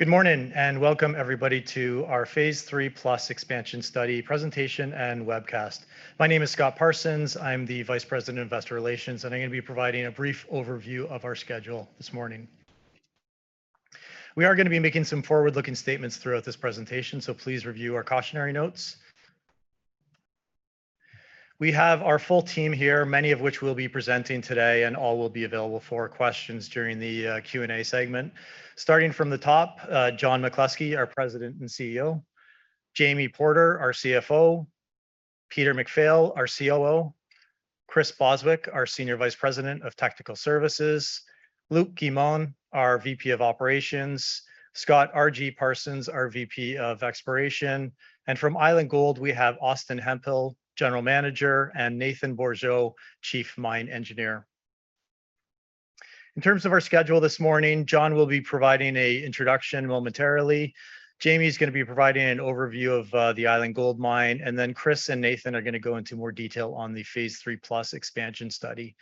Good morning, and welcome everybody to our Phase Three Plus expansion study presentation and webcast. My name is Scott Parsons, I'm the Vice President of Investor Relations, and I'm gonna be providing a brief overview of our schedule this morning. We are gonna be making some forward-looking statements throughout this presentation, so please review our cautionary notes. We have our full team here, many of which will be presenting today, and all will be available for questions during the Q&A segment. Starting from the top, John McCluskey, our President and CEO, Jamie Porter, our CFO, Peter MacPhail, our COO, Chris Bostwick, our Senior Vice President of Technical Services, Luc Guimond, our VP of Operations, Scott R.G. Parsons, our VP of Exploration. From Island Gold, we have Austin Hemphill, General Manager, and Nathan Bourgeault, Chief Mine Engineer. In terms of our schedule this morning, John will be providing an introduction momentarily. Jamie's gonna be providing an overview of the Island Gold Mine, and then Chris and Nathan are gonna go into more detail on the Phase 3+ expansion study.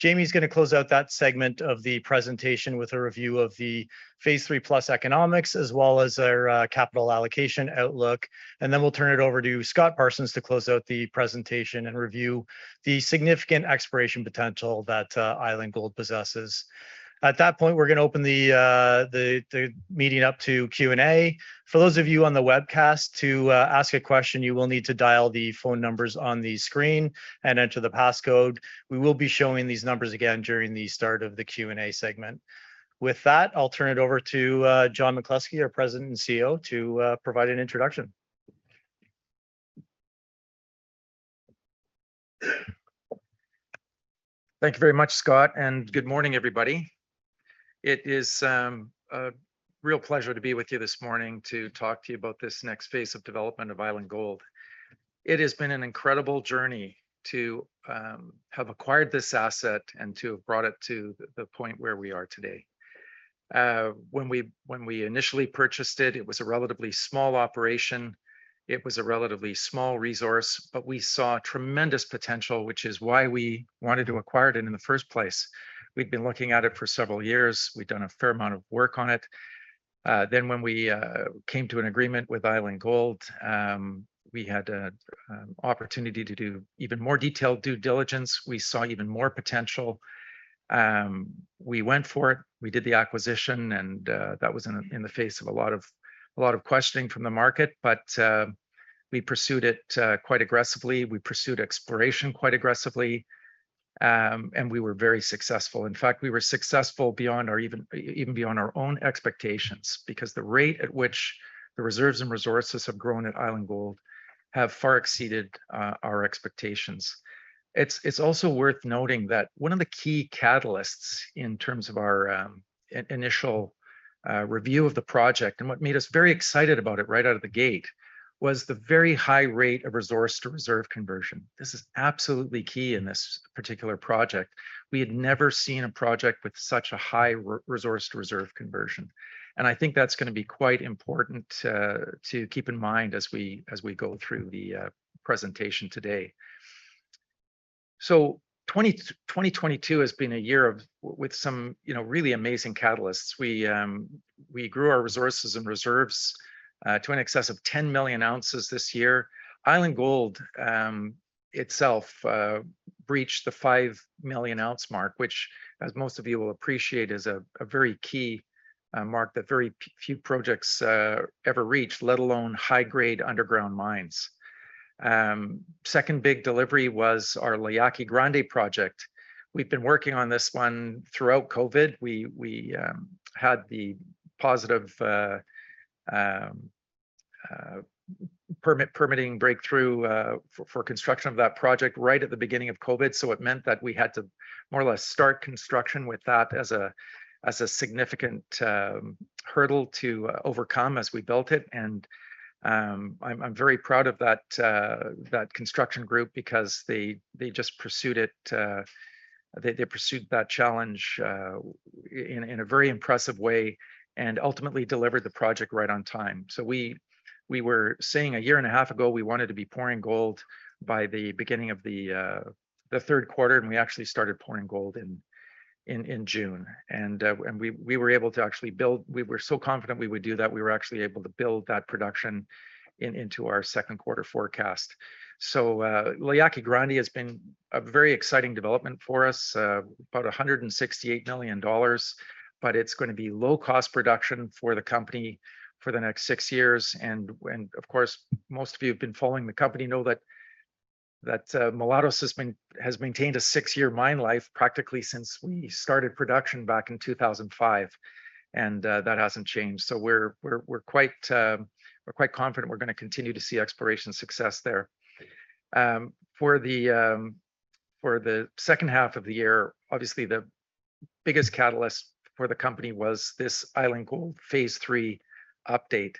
Jamie's gonna close out that segment of the presentation with a review of the Phase 3+ economics, as well as our capital allocation outlook. Then we'll turn it over to Scott Parsons to close out the presentation and review the significant exploration potential that Island Gold possesses. At that point, we're gonna open the meeting up to Q&A. For those of you on the webcast, to ask a question, you will need to dial the phone numbers on the screen and enter the passcode. We will be showing these numbers again during the start of the Q&A segment. With that, I'll turn it over to John McCluskey, our President and CEO, to provide an introduction. Thank you very much, Scott and good morning, everybody. It is a real pleasure to be with you this morning to talk to you about this next phase of development of Island Gold. It has been an incredible journey to have acquired this asset and to have brought it to the point where we are today. When we initially purchased it was a relatively small operation, it was a relatively small resource, but we saw tremendous potential, which is why we wanted to acquire it in the first place. We'd been looking at it for several years. We'd done a fair amount of work on it. Then when we came to an agreement with Island Gold, we had an opportunity to do even more detailed due diligence. We saw even more potential. We went for it. We did the acquisition, and that was in the face of a lot of questioning from the market. We pursued it quite aggressively. We pursued exploration quite aggressively. We were very successful. In fact, we were successful beyond our own expectations because the rate at which the reserves and resources have grown at Island Gold have far exceeded our expectations. It's also worth noting that one of the key catalysts in terms of our initial review of the project, and what made us very excited about it right out of the gate, was the very high rate of resource to reserve conversion. This is absolutely key in this particular project. We had never seen a project with such a high resource to reserve conversion, and I think that's gonna be quite important to keep in mind as we go through the presentation today. 2022 has been a year with some, you know, really amazing catalysts. We grew our resources and reserves to an excess of 10 million ounces this year. Island Gold itself breached the 5 million ounce mark, which, as most of you will appreciate, is a very key mark that very few projects ever reach, let alone high-grade underground mines. Second big delivery was our La Yaqui Grande project. We've been working on this one throughout COVID. We had the positive permitting breakthrough for construction of that project right at the beginning of COVID. It meant that we had to more or less start construction with that as a significant hurdle to overcome as we built it. I'm very proud of that construction group because they just pursued it, they pursued that challenge in a very impressive way and ultimately delivered the project right on time. We were saying a year and a half ago we wanted to be pouring gold by the beginning of the third quarter and we actually started pouring gold in June. We were able to actually build that production into our second quarter forecast. We were so confident we would do that. La Yaqui Grande has been a very exciting development for us, about $168 million, but it's gonna be low cost production for the company for the next six years. Of course, most of you who've been following the company know that Mulatos has maintained a six-year mine life practically since we started production back in 2005, and that hasn't changed. We're quite confident we're gonna continue to see exploration success there. For the second half of the year, obviously the biggest catalyst for the company was this Island Gold Phase 3 update.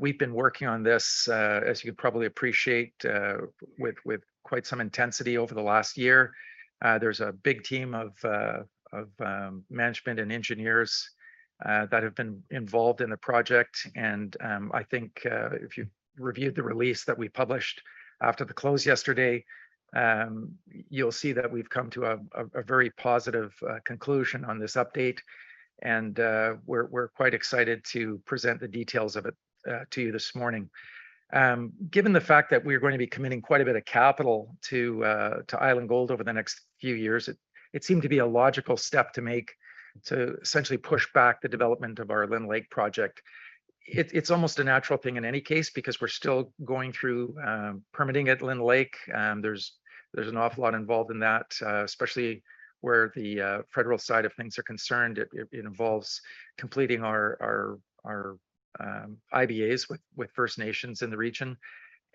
We've been working on this, as you could probably appreciate, with quite some intensity over the last year. There's a big team of management and engineers that have been involved in the project. I think if you reviewed the release that we published after the close yesterday, you'll see that we've come to a very positive conclusion on this update. We're quite excited to present the details of it to you this morning. Given the fact that we're going to be committing quite a bit of capital to Island Gold over the next few years, it seemed to be a logical step to make to essentially push back the development of our Lynn Lake project. It's almost a natural thing in any case because we're still going through permitting at Lynn Lake. There's an awful lot involved in that, especially where the federal side of things are concerned. It involves completing our IBAs with first nations in the region.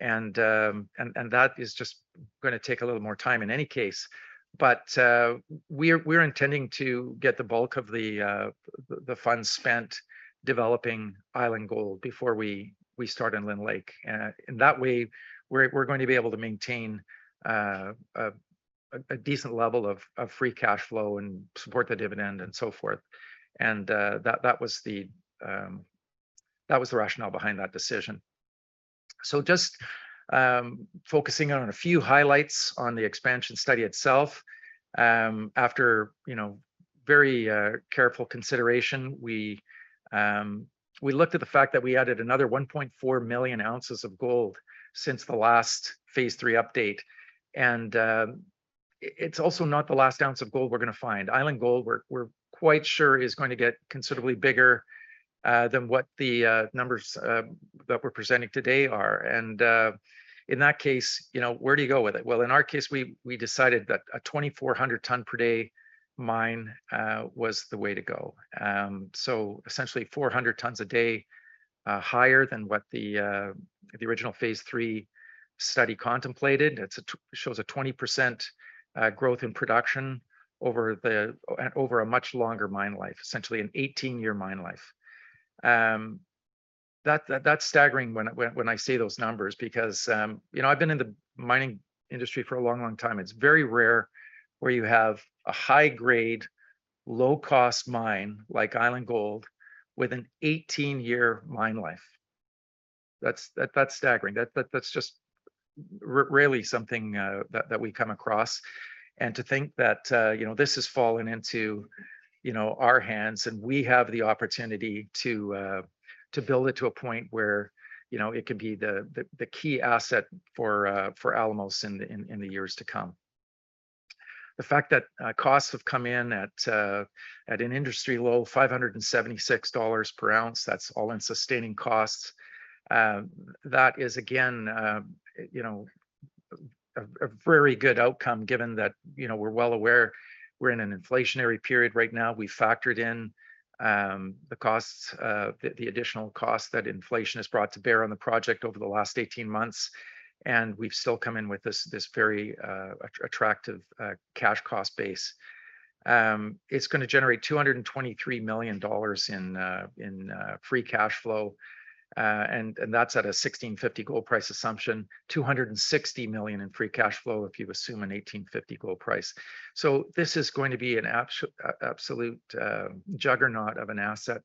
That is just gonna take a little more time in any case. We're intending to get the bulk of the funds spent developing Island Gold before we start on Lynn Lake. In that way, we're going to be able to maintain a decent level of free cash flow and support the dividend and so forth. That was the rationale behind that decision. Just focusing on a few highlights on the expansion study itself. After you know very careful consideration, we looked at the fact that we added another 1.4 million ounces of gold since the last Phase 3 update. It's also not the last ounce of gold we're gonna find. Island Gold we're quite sure is going to get considerably bigger than what the numbers that we're presenting today are. In that case, you know, where do you go with it? Well, in our case, we decided that a 2,400-ton per day mine was the way to go. So essentially 400 tons a day higher than what the original Phase 3 study contemplated. It shows a 20% growth in production over a much longer mine life, essentially an 18-year mine life. That's staggering when I say those numbers because, you know, I've been in the mining industry for a long time. It's very rare where you have a high grade, low cost mine like Island Gold with an 18-year mine life. That's staggering. That's just rarely something that we come across. To think that, you know, this has fallen into, you know, our hands and we have the opportunity to build it to a point where, you know, it can be the key asset for Alamos in the years to come. The fact that costs have come in at an industry low $576 per ounce, that's all-in sustaining costs, that is again, you know, a very good outcome given that, you know, we're well aware we're in an inflationary period right now. We factored in the costs, the additional costs that inflation has brought to bear on the project over the last 18 months, and we've still come in with this very attractive cash cost base. It's gonna generate $223 million in free cash flow. That's at a $1,650 gold price assumption. $260 million in free cash flow if you assume an $1,850 gold price. This is going to be an absolute juggernaut of an asset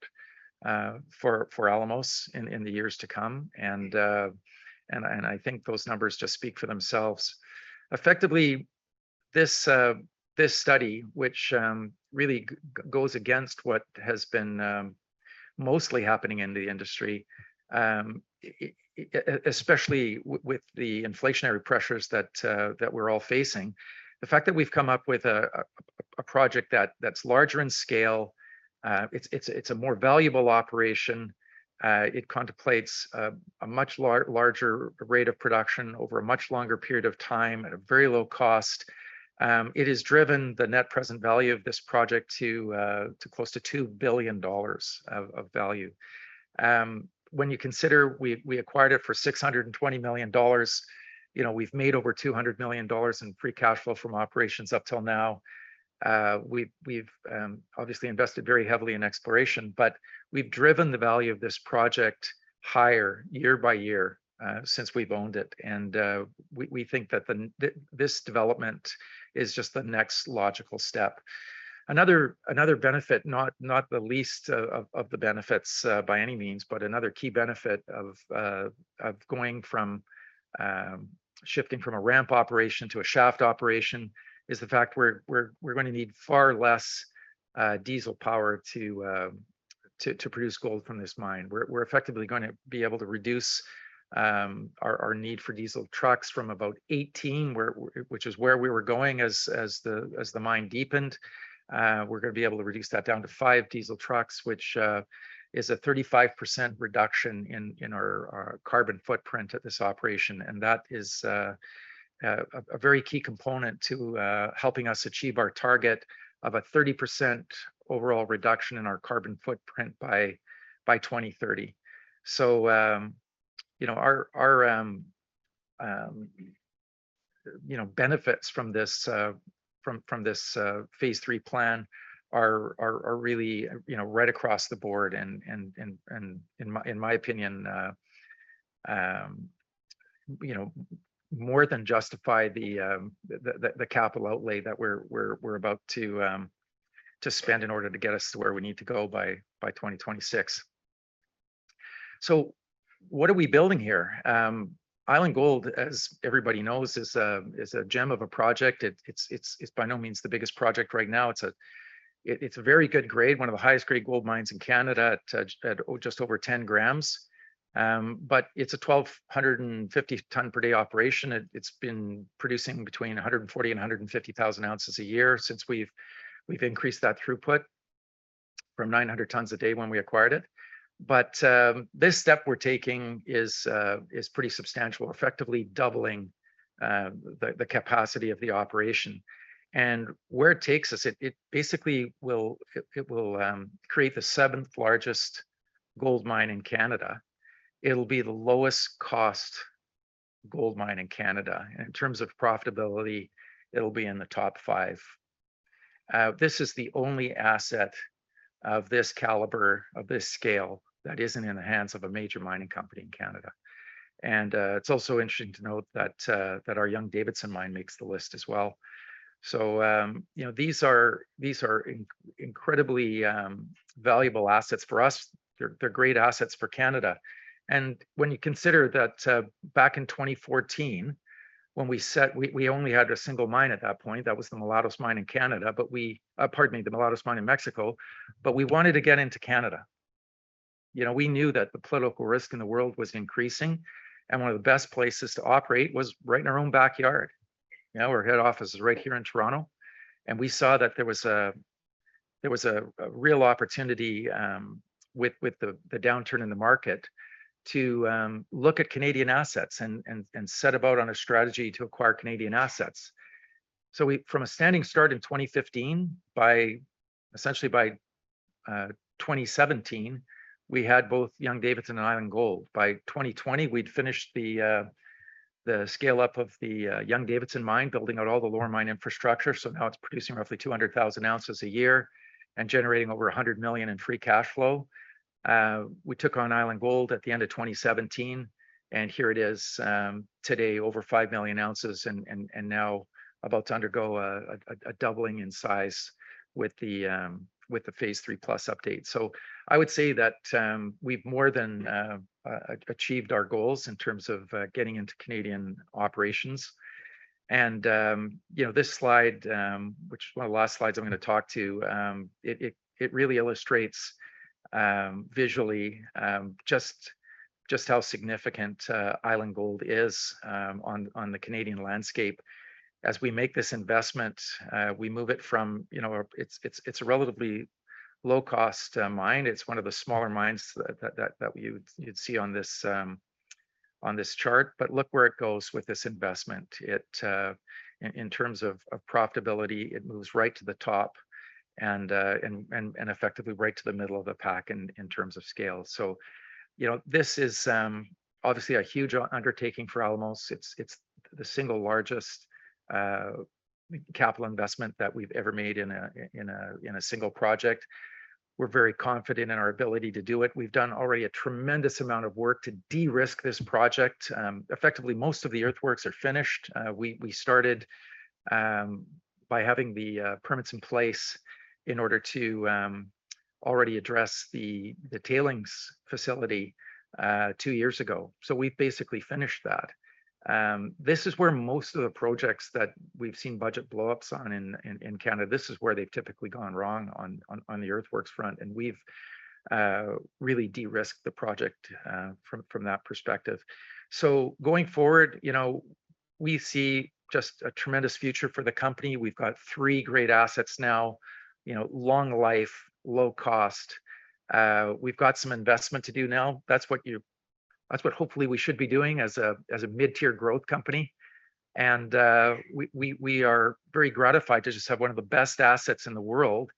for Alamos in the years to come. I think those numbers just speak for themselves. Effectively, this study, which really goes against what has been mostly happening in the industry, especially with the inflationary pressures that we're all facing. The fact that we've come up with a project that's larger in scale, it's a more valuable operation, it contemplates a much larger rate of production over a much longer period of time at a very low cost, it has driven the net present value of this project to close to $2 billion of value. When you consider we acquired it for $620 million, you know, we've made over $200 million in free cash flow from operations up till now. We've obviously invested very heavily in exploration, but we've driven the value of this project higher year by year since we've owned it. We think that this development is just the next logical step. Another benefit, not the least of the benefits by any means, but another key benefit of going from shifting from a ramp operation to a shaft operation is the fact we're gonna need far less diesel power to produce gold from this mine. We're effectively gonna be able to reduce our need for diesel trucks from about 18, which is where we were going as the mine deepened. We're gonna be able to reduce that down to five diesel trucks, which is a 35% reduction in our carbon footprint at this operation. That is a very key component to helping us achieve our target of a 30% overall reduction in our carbon footprint by 2030. You know, our benefits from this Phase 3 plan are really you know right across the board and in my opinion you know more than justify the capital outlay that we're about to spend in order to get us to where we need to go by 2026. What are we building here? Island Gold, as everybody knows, is a gem of a project. It's by no means the biggest project right now. It's a very good grade, one of the highest grade gold mines in Canada at just over 10g. But it's a 1,250 ton per day operation. It's been producing between 140,000 and 150,000 ounces a year since we've increased that throughput from 900 tons a day when we acquired it. This step we're taking is pretty substantial, effectively doubling the capacity of the operation. Where it takes us, it basically will create the seventh-largest gold mine in Canada. It'll be the lowest cost gold mine in Canada. In terms of profitability, it'll be in the top five. This is the only asset of this caliber, of this scale that isn't in the hands of a major mining company in Canada. It's also interesting to note that our Young-Davidson mine makes the list as well. You know, these are incredibly valuable assets for us. They're great assets for Canada. When you consider that, back in 2014, when we only had a single mine at that point, that was the Mulatos mine in Canada, but pardon me, the Mulatos mine in Mexico, but we wanted to get into Canada. You know, we knew that the political risk in the world was increasing, and one of the best places to operate was right in our own backyard. You know, our head office is right here in Toronto. We saw that there was a real opportunity with the downturn in the market to look at Canadian assets and set about on a strategy to acquire Canadian assets. From a standing start in 2015, essentially by 2017, we had both Young-Davidson and Island Gold. By 2020, we'd finished the scale-up of the Young-Davidson mine, building out all the lower mine infrastructure. Now it's producing roughly 200,000 ounces a year and generating over $100 million in free cash flow. We took on Island Gold at the end of 2017, and here it is today, over 5 million ounces and now about to undergo a doubling in size with the Phase 3+ update. I would say that we've more than achieved our goals in terms of getting into Canadian operations. You know, this slide, which is one of the last slides I'm gonna talk to, it really illustrates visually just how significant Island Gold is on the Canadian landscape. As we make this investment, we move it from, you know, it's a relatively low-cost mine. It's one of the smaller mines that you'd see on this chart. Look where it goes with this investment. In terms of profitability, it moves right to the top and effectively right to the middle of the pack in terms of scale. You know, this is obviously a huge undertaking for Alamos. It's the single largest capital investment that we've ever made in a single project. We're very confident in our ability to do it. We've done already a tremendous amount of work to de-risk this project. Effectively, most of the earthworks are finished. We started by having the permits in place in order to already address the tailings facility two years ago. We've basically finished that. This is where most of the projects that we've seen budget blow-ups on in Canada have typically gone wrong on the earthworks front, and we've really de-risked the project from that perspective. Going forward, you know, we see just a tremendous future for the company. We've got three great assets now, you know, long life, low cost. We've got some investment to do now. That's what hopefully we should be doing as a mid-tier growth company. We are very gratified to just have one of the best assets in the world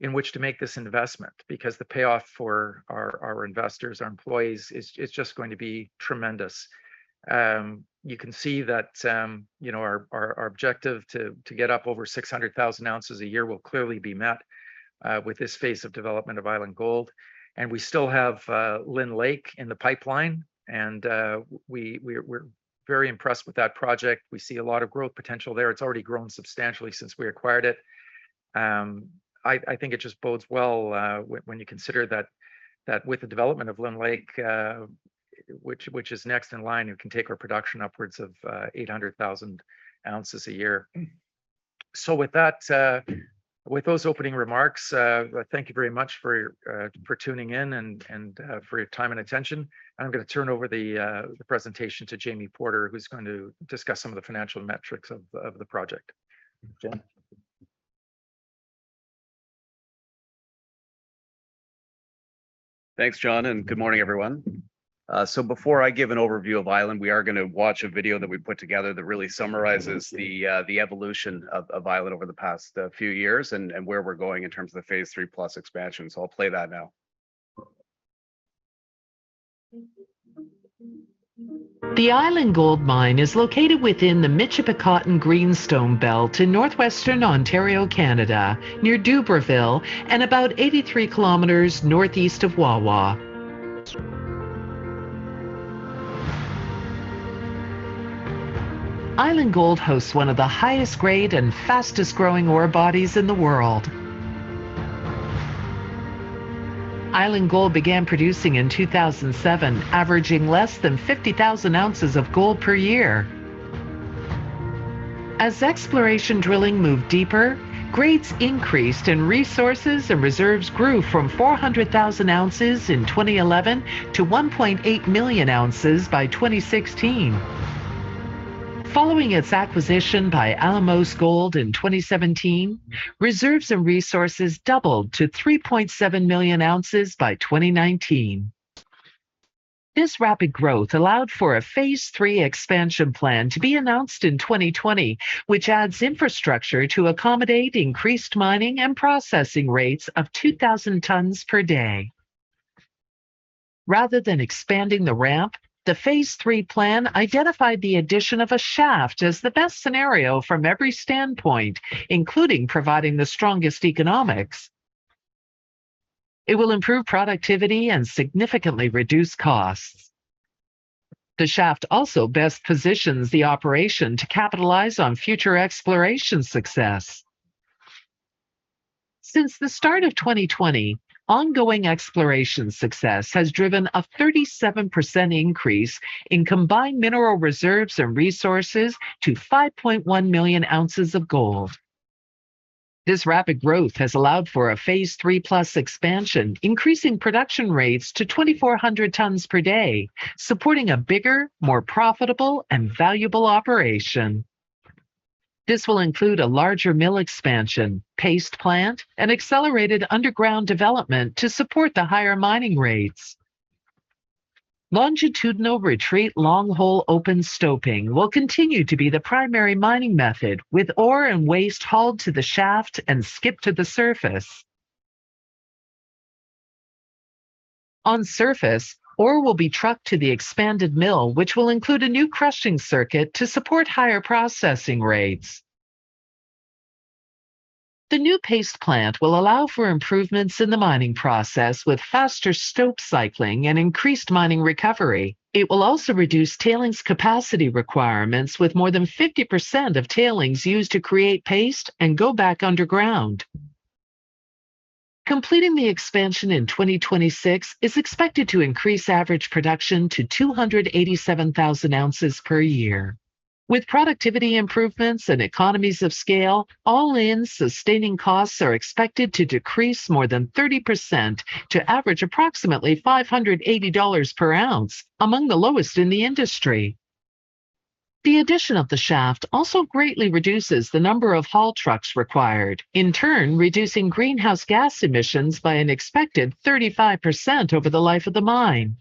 in which to make this investment, because the payoff for our investors, our employees, it's just going to be tremendous. You can see that, you know, our objective to get up over 600,000 ounces a year will clearly be met with this phase of development of Island Gold. We still have Lynn Lake in the pipeline, and we're very impressed with that project. We see a lot of growth potential there. It's already grown substantially since we acquired it. I think it just bodes well when you consider that with the development of Lynn Lake, which is next in line, it can take our production upwards of 800,000 ounces a year. With that, with those opening remarks, thank you very much for tuning in and for your time and attention. I'm gonna turn over the presentation to Jamie Porter, who's going to discuss some of the financial metrics of the project. Jamie. Thanks, John, and good morning, everyone. Before I give an overview of Island, we are gonna watch a video that we put together that really summarizes the evolution of Island over the past few years and where we're going in terms of the Phase 3+ expansion. I'll play that now. The Island Gold mine is located within the Michipicoten Greenstone Belt in northwestern Ontario, Canada, near Dubreuilville and about 83 km northeast of Wawa. Island Gold hosts one of the highest grade and fastest growing ore bodies in the world. Island Gold began producing in 2007, averaging less than 50,000 ounces of gold per year. As exploration drilling moved deeper, grades increased and resources and reserves grew from 400,000 ounces in 2011 to 1.8 million ounces by 2016. Following its acquisition by Alamos Gold in 2017, reserves and resources doubled to 3.7 million ounces by 2019. This rapid growth allowed for a Phase 3 expansion plan to be announced in 2020, which adds infrastructure to accommodate increased mining and processing rates of 2,000 tons per day. Rather than expanding the ramp, the Phase 3 plan identified the addition of a shaft as the best scenario from every standpoint, including providing the strongest economics. It will improve productivity and significantly reduce costs. The shaft also best positions the operation to capitalize on future exploration success. Since the start of 2020, ongoing exploration success has driven a 37% increase in combined mineral reserves and resources to 5.1 million ounces of gold. This rapid growth has allowed for a Phase 3+ expansion, increasing production rates to 2,400 tons per day, supporting a bigger, more profitable and valuable operation. This will include a larger mill expansion, paste plant and accelerated underground development to support the higher mining rates. Longitudinal retreat long hole open stoping will continue to be the primary mining method with ore and waste hauled to the shaft and skip to the surface. On surface, ore will be trucked to the expanded mill, which will include a new crushing circuit to support higher processing rates. The new paste plant will allow for improvements in the mining process with faster stope cycling and increased mining recovery. It will also reduce tailings capacity requirements with more than 50% of tailings used to create paste and go back underground. Completing the expansion in 2026 is expected to increase average production to 287,000 ounces per year. With productivity improvements and economies of scale, all-in sustaining costs are expected to decrease more than 30% to average approximately $580 per ounce, among the lowest in the industry. The addition of the shaft also greatly reduces the number of haul trucks required, in turn, reducing greenhouse gas emissions by an expected 35% over the life of the mine.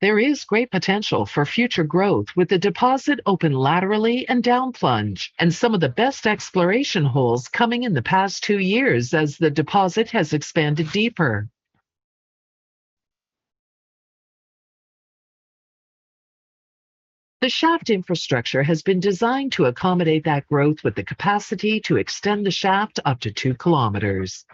There is great potential for future growth with the deposit open laterally and down plunge, and some of the best exploration holes coming in the past two years as the deposit has expanded deeper. The shaft infrastructure has been designed to accommodate that growth with the capacity to extend the shaft up to 2 km.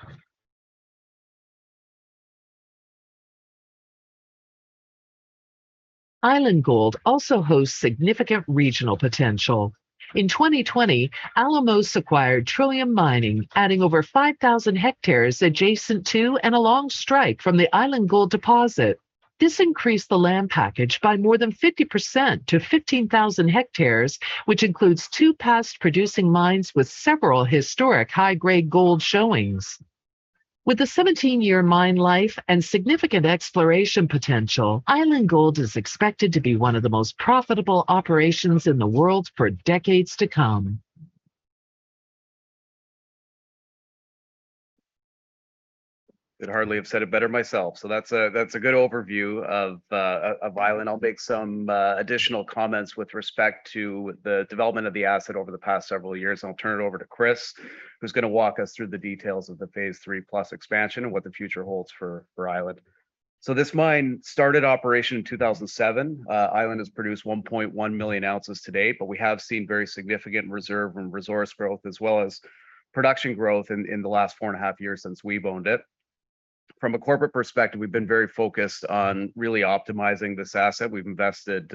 Island Gold also hosts significant regional potential. In 2020, Alamos acquired Trillium Mining, adding over 5,000 hectares adjacent to and along strike from the Island Gold deposit. This increased the land package by more than 50% to 15,000 hectares, which includes two past producing mines with several historic high-grade gold showings. With a 17-year mine life and significant exploration potential, Island Gold is expected to be one of the most profitable operations in the world for decades to come. Could hardly have said it better myself. That's a good overview of Island. I'll make some additional comments with respect to the development of the asset over the past several years, and I'll turn it over to Chris, who's gonna walk us through the details of the Phase 3+ expansion and what the future holds for Island. This mine started operation in 2007. Island has produced 1.1 million ounces to date, but we have seen very significant reserve and resource growth as well as production growth in the last four and a half years since we've owned it. From a corporate perspective, we've been very focused on really optimizing this asset. We've invested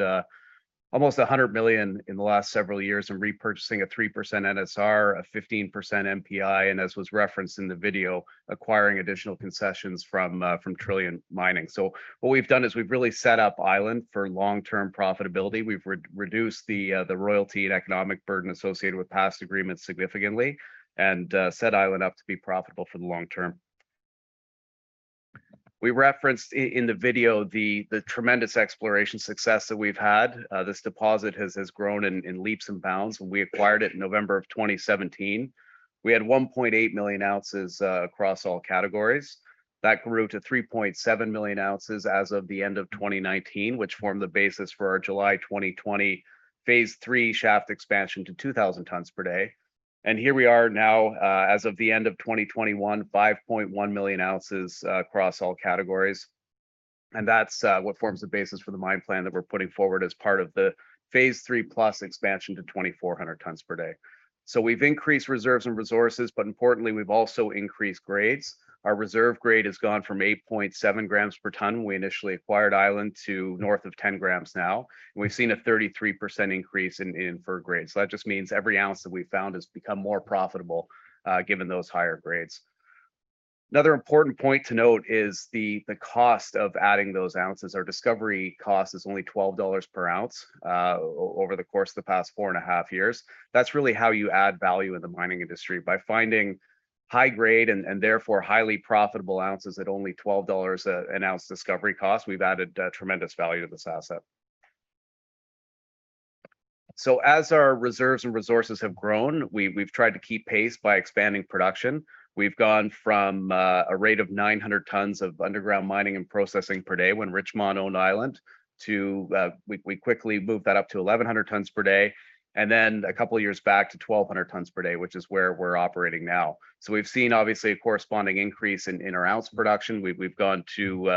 almost $100 million in the last several years in repurchasing a 3% NSR, a 15% NPI, and as was referenced in the video, acquiring additional concessions from Trillium Mining. What we've done is we've really set up Island for long-term profitability. We've reduced the royalty and economic burden associated with past agreements significantly and set Island up to be profitable for the long term. We referenced in the video the tremendous exploration success that we've had. This deposit has grown in leaps and bounds. When we acquired it in November 2017, we had 1.8 million ounces across all categories. That grew to 3.7 million ounces as of the end of 2019, which formed the basis for our July 2020 Phase 3 shaft expansion to 2,000 tons per day. Here we are now, as of the end of 2021, 5.1 million ounces across all categories. That's what forms the basis for the mine plan that we're putting forward as part of the Phase 3+ expansion to 2,400 tons per day. We've increased reserves and resources, but importantly, we've also increased grades. Our reserve grade has gone from 8.7 g per ton we initially acquired Island to north of 10 g now. We've seen a 33% increase in ore grades. That just means every ounce that we've found has become more profitable, given those higher grades. Another important point to note is the cost of adding those ounces. Our discovery cost is only $12 per ounce over the course of the past four and a half years. That's really how you add value in the mining industry, by finding high grade and therefore highly profitable ounces at only $12 an ounce discovery cost. We've added tremendous value to this asset. Our reserves and resources have grown, we've tried to keep pace by expanding production. We've gone from a rate of 900 tons of underground mining and processing per day when Richmont owned Island to. We quickly moved that up to 1,100 tons per day, and then a couple of years back to 1,200 tons per day, which is where we're operating now. We've seen obviously a corresponding increase in our ounce production. We've gone to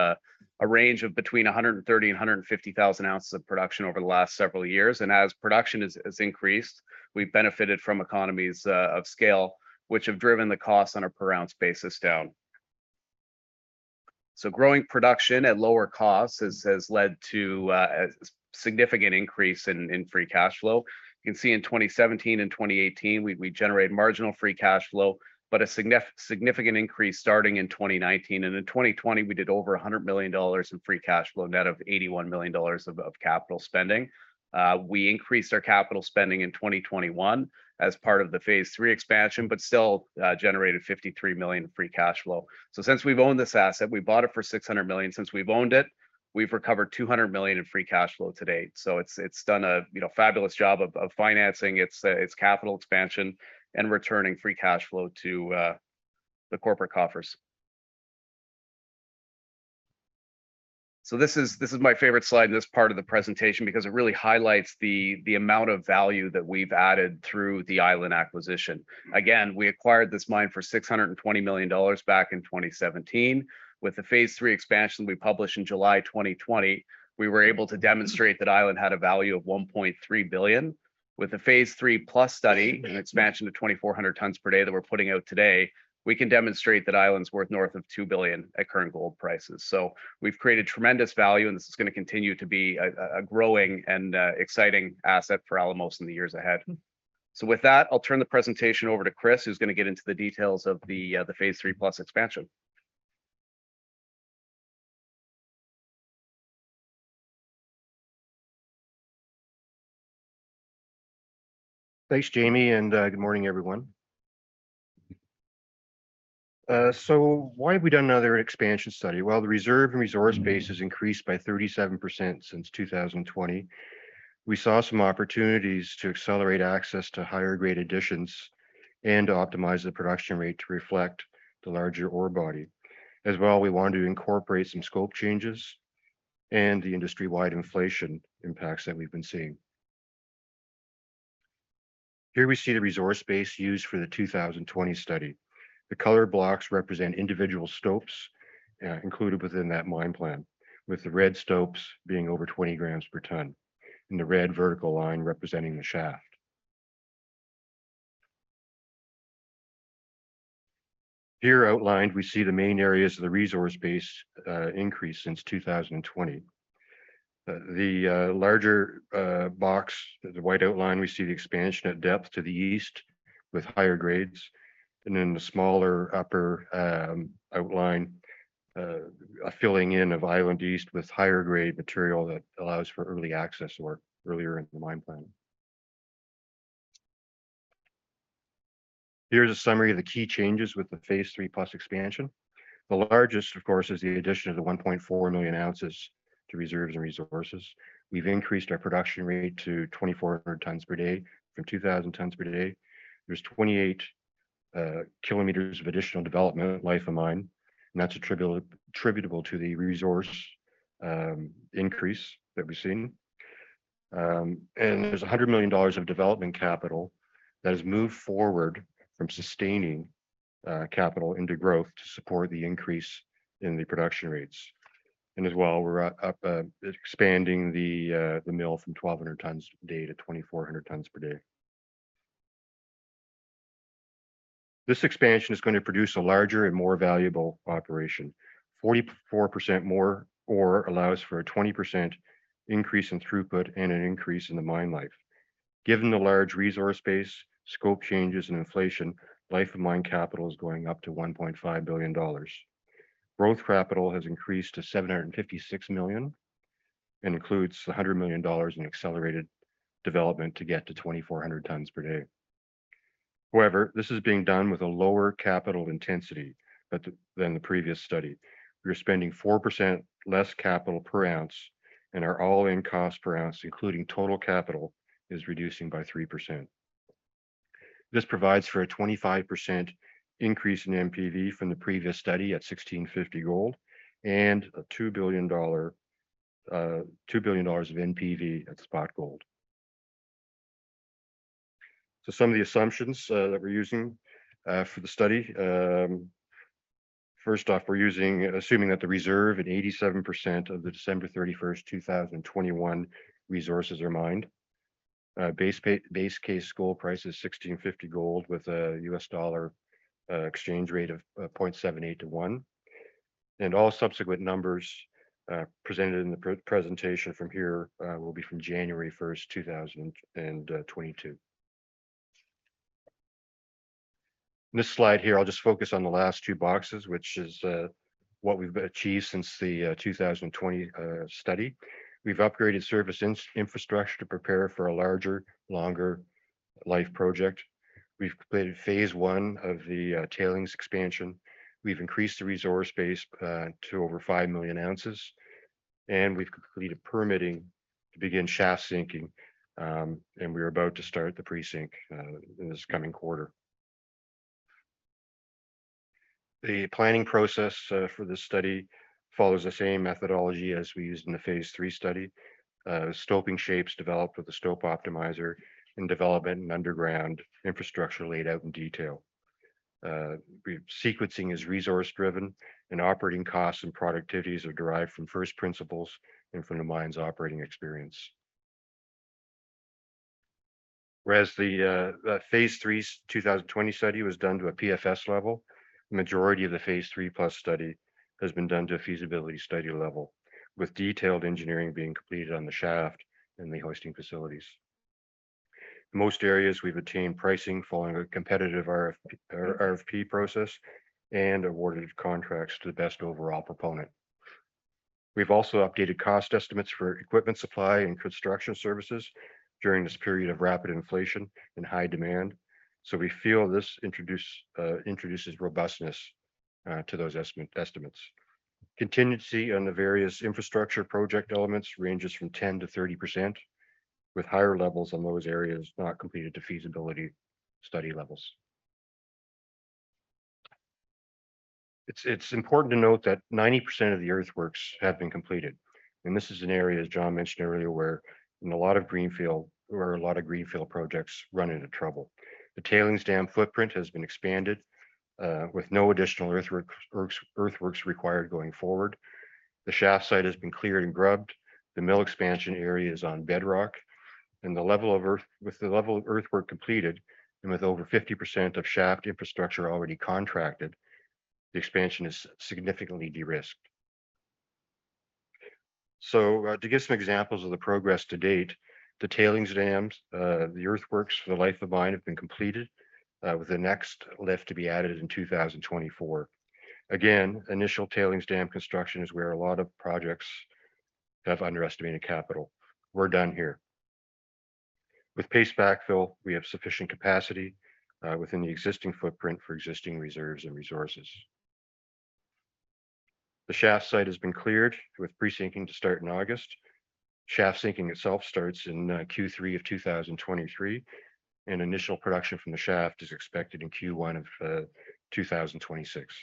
a range of between 130 and 150 thousand ounces of production over the last several years. As production has increased, we've benefited from economies of scale, which have driven the cost on a per ounce basis down. Growing production at lower costs has led to a significant increase in free cash flow. You can see in 2017 and 2018, we generated marginal free cash flow, but a significant increase starting in 2019. In 2020, we did over $100 million in free cash flow net of $81 million of capital spending. We increased our capital spending in 2021 as part of the phase three expansion, but still generated $53 million free cash flow. Since we've owned this asset, we bought it for $600 million. Since we've owned it, we've recovered $200 million in free cash flow to date. It's done a you know fabulous job of financing its capital expansion and returning free cash flow to the corporate coffers. This is my favorite slide in this part of the presentation because it really highlights the amount of value that we've added through the Island acquisition. Again, we acquired this mine for $620 million back in 2017. With the Phase 3 expansion we published in July 2020, we were able to demonstrate that Island had a value of $1.3 billion. With the Phase 3+ study and expansion to 2,400 tons per day that we're putting out today, we can demonstrate that Island's worth north of $2 billion at current gold prices. We've created tremendous value, and this is gonna continue to be a growing and exciting asset for Alamos in the years ahead. With that, I'll turn the presentation over to Chris, who's gonna get into the details of the Phase 3+ expansion. Thanks, Jamie, and good morning, everyone. Why have we done another expansion study? Well, the reserve and resource base has increased by 37% since 2020. We saw some opportunities to accelerate access to higher grade additions and to optimize the production rate to reflect the larger ore body. As well, we wanted to incorporate some scope changes and the industry-wide inflation impacts that we've been seeing. Here we see the resource base used for the 2020 study. The colored blocks represent individual stopes included within that mine plan, with the red stopes being over 20 g per ton, and the red vertical line representing the shaft. Here outlined, we see the main areas of the resource base increase since 2020. The larger box, the white outline, we see the expansion at depth to the east with higher grades. In the smaller upper outline, a filling in of Island East with higher grade material that allows for early access or earlier in the mine plan. Here's a summary of the key changes with the Phase 3+ expansion. The largest, of course, is the addition of the 1.4 million ounces to reserves and resources. We've increased our production rate to 2,400 tons per day from 2,000 tons per day. There's 28 km of additional development life of mine, and that's attributable to the resource increase that we've seen. There's $100 million of development capital that has moved forward from sustaining capital into growth to support the increase in the production rates. We're expanding the mill from 1,200 tons per day to 2,400 tons per day. This expansion is gonna produce a larger and more valuable operation. 44% more ore allows for a 20% increase in throughput and an increase in the mine life. Given the large resource base, scope changes, and inflation, life of mine capital is going up to $1.5 billion. Growth capital has increased to $756 million, and includes $100 million in accelerated development to get to 2,400 tons per day. However, this is being done with a lower capital intensity than the previous study. We're spending 4% less capital per ounce, and our all-in cost per ounce, including total capital, is reducing by 3%. This provides for a 25% increase in NPV from the previous study at $1,650 gold, and a $2 billion of NPV at spot gold. Some of the assumptions that we're using for the study. First off, we're assuming that the reserve at 87% of the December 31st, 2021 resources are mined. Base case gold price is $1,650 gold with a U.S. dollar exchange rate of 0.78% to 1%. All subsequent numbers presented in the presentation from here will be from January 1st, 2022. This slide here, I'll just focus on the last two boxes, which is what we've achieved since the 2020 study. We've upgraded service infrastructure to prepare for a larger, longer life project. We've completed phase one of the tailings expansion. We've increased the resource base to over 5 million ounces. We've completed permitting to begin shaft sinking. We're about to start the pre-sink in this coming quarter. The planning process for this study follows the same methodology as we used in the phase 3 study. Stoping shapes developed with a stope optimizer and development and underground infrastructure laid out in detail. Sequencing is resource driven and operating costs and productivities are derived from first principles and from the mine's operating experience. Whereas the phase three 2020 study was done to a PFS level, the majority of the phase three plus study has been done to a feasibility study level with detailed engineering being completed on the shaft and the hoisting facilities. Most areas we've attained pricing following a competitive RFP process and awarded contracts to the best overall proponent. We've also updated cost estimates for equipment supply and construction services during this period of rapid inflation and high demand. We feel this introduces robustness to those estimates. Contingency on the various infrastructure project elements ranges from 10%-30% with higher levels in those areas not completed to feasibility study levels. It's important to note that 90% of the earthworks have been completed. This is an area, as John mentioned earlier, where a lot of greenfield projects run into trouble. The tailings dam footprint has been expanded with no additional earthworks required going forward. The shaft site has been cleared and grubbed. The mill expansion area is on bedrock. With the level of earthwork completed and with over 50% of shaft infrastructure already contracted, the expansion is significantly de-risked. To give some examples of the progress to date, the tailings dams, the earthworks for the life of mine have been completed with the next lift to be added in 2024. Again, initial tailings dam construction is where a lot of projects have underestimated capital. We're done here. With paste backfill, we have sufficient capacity within the existing footprint for existing reserves and resources. The shaft site has been cleared with pre-sink to start in August. Shaft sinking itself starts in Q3 of 2023. Initial production from the shaft is expected in Q1 of 2026.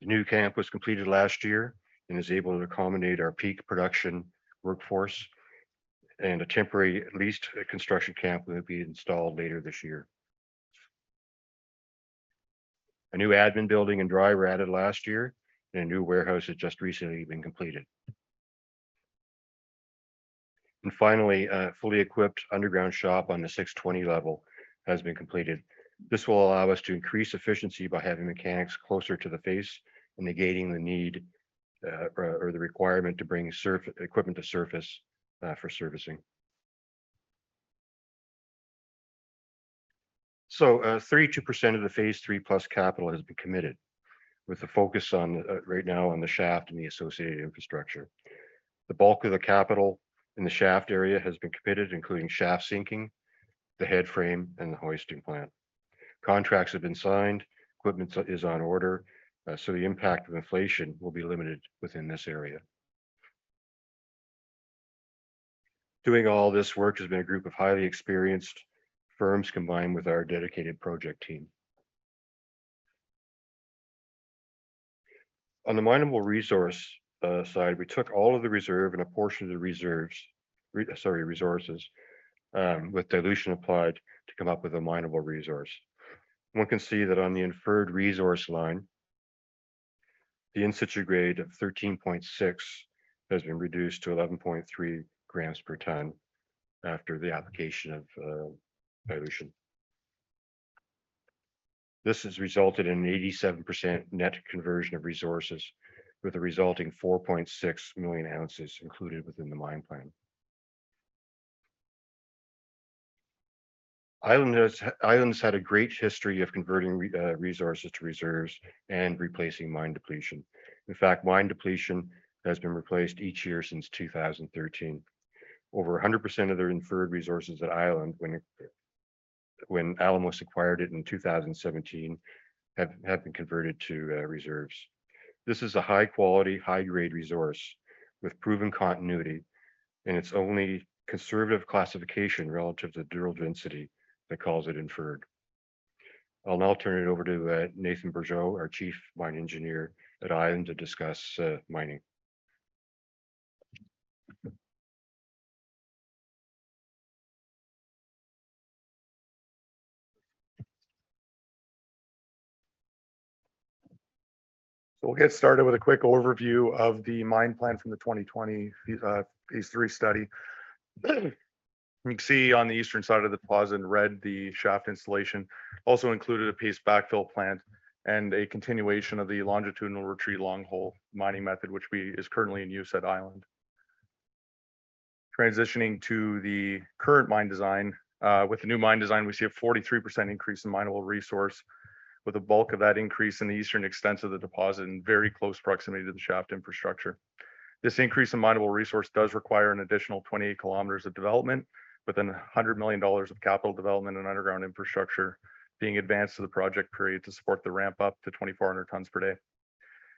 The new camp was completed last year and is able to accommodate our peak production workforce. A temporary leased construction camp will be installed later this year. A new admin building and dry were added last year. A new warehouse has just recently been completed. Finally, a fully equipped underground shop on the 620 level has been completed. This will allow us to increase efficiency by having mechanics closer to the face and negating the need or the requirement to bring equipment to surface for servicing. 32% of the Phase 3+ capital has been committed with the focus right now on the shaft and the associated infrastructure. The bulk of the capital in the shaft area has been committed, including shaft sinking, the head frame, and the hoisting plant. Contracts have been signed. Equipment is on order. The impact of inflation will be limited within this area. Doing all this work has been a group of highly experienced firms combined with our dedicated project team. On the mineable resource side, we took all of the reserve and a portion of the resources with dilution applied to come up with a mineable resource. One can see that on the inferred resource line, the in-situ grade of 13.6 has been reduced to 11.3 g per ton after the application of dilution. This has resulted in an 87% net conversion of resources with a resulting 4.6 million ounces included within the mine plan. Island has had a great history of converting resources to reserves and replacing mine depletion. In fact, mine depletion has been replaced each year since 2013. Over 100% of the inferred resources at Island when Alamos acquired it in 2017 have been converted to reserves. This is a high quality, high grade resource with proven continuity and it's only conservative classification relative to the dual density that calls it inferred. I'll now turn it over to Nathan Bourgeault, our Chief Mine Engineer at Island, to discuss mining. We'll get started with a quick overview of the mine plan from the 2020 Phase 3 study. We can see on the eastern side of the deposit in red the shaft installation also included a paste backfill plant and a continuation of the longitudinal retreat long hole mining method, which is currently in use at Island. Transitioning to the current mine design, with the new mine design, we see a 43% increase in mineable resource, with the bulk of that increase in the eastern extents of the deposit in very close proximity to the shaft infrastructure. This increase in mineable resource does require an additional 28 km of development within $100 million of capital development and underground infrastructure being advanced to the project period to support the ramp up to 2,400 tons per day.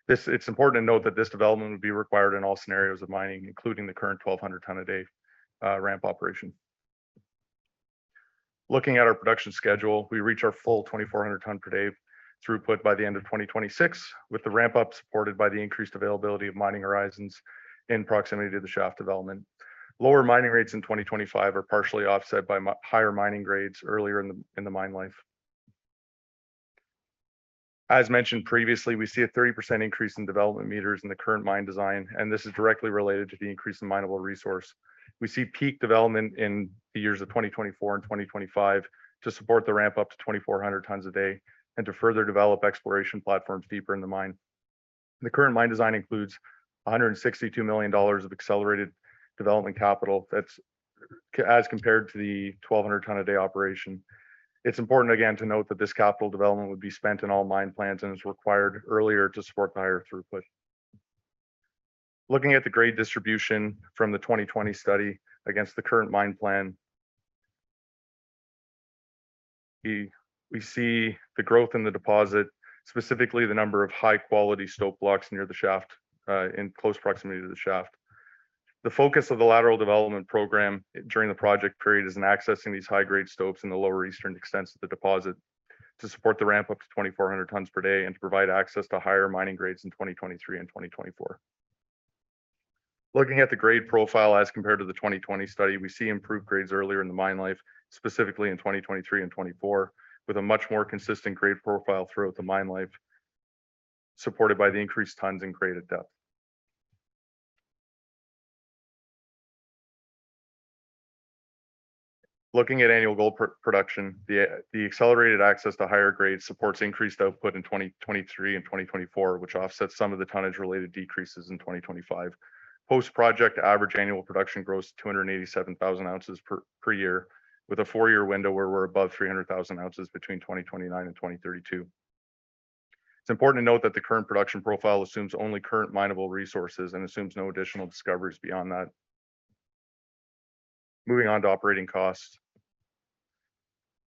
It's important to note that this development would be required in all scenarios of mining, including the current 1,200 ton a day ramp operation. Looking at our production schedule, we reach our full 2,400 ton per day throughput by the end of 2026, with the ramp up supported by the increased availability of mining horizons in proximity to the shaft development. Lower mining rates in 2025 are partially offset by higher mining grades earlier in the mine life. As mentioned previously, we see a 30% increase in development meters in the current mine design, and this is directly related to the increase in mineable resource. We see peak development in the years of 2024 and 2025 to support the ramp up to 2,400 tons a day and to further develop exploration platforms deeper in the mine. The current mine design includes $162 million of accelerated development capital that's as compared to the 1,200 ton a day operation. It's important again to note that this capital development would be spent in all mine plans and is required earlier to support the higher throughput. Looking at the grade distribution from the 2020 study against the current mine plan, we see the growth in the deposit, specifically the number of high-quality stope blocks near the shaft, in close proximity to the shaft. The focus of the lateral development program during the project period is in accessing these high-grade stopes in the lower eastern extents of the deposit to support the ramp up to 2,400 tons per day and to provide access to higher mining grades in 2023 and 2024. Looking at the grade profile as compared to the 2020 study, we see improved grades earlier in the mine life, specifically in 2023 and 2024, with a much more consistent grade profile throughout the mine life, supported by the increased tons and grade at depth. Looking at annual gold production, the accelerated access to higher grades supports increased output in 2023 and 2024, which offsets some of the tonnage-related decreases in 2025. Post-project average annual production grows to 287,000 ounces per year, with a four-year window where we're above 300,000 ounces between 2029 and 2032. It's important to note that the current production profile assumes only current mineable resources and assumes no additional discoveries beyond that. Moving on to operating costs.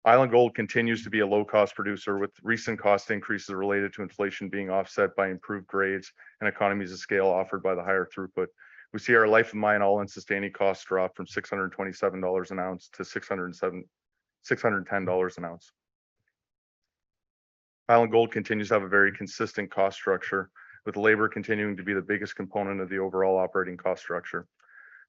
Island Gold continues to be a low-cost producer, with recent cost increases related to inflation being offset by improved grades and economies of scale offered by the higher throughput. We see our life of mine all-in sustaining costs drop from $627 an ounce to $610 an ounce. Island Gold continues to have a very consistent cost structure, with labor continuing to be the biggest component of the overall operating cost structure.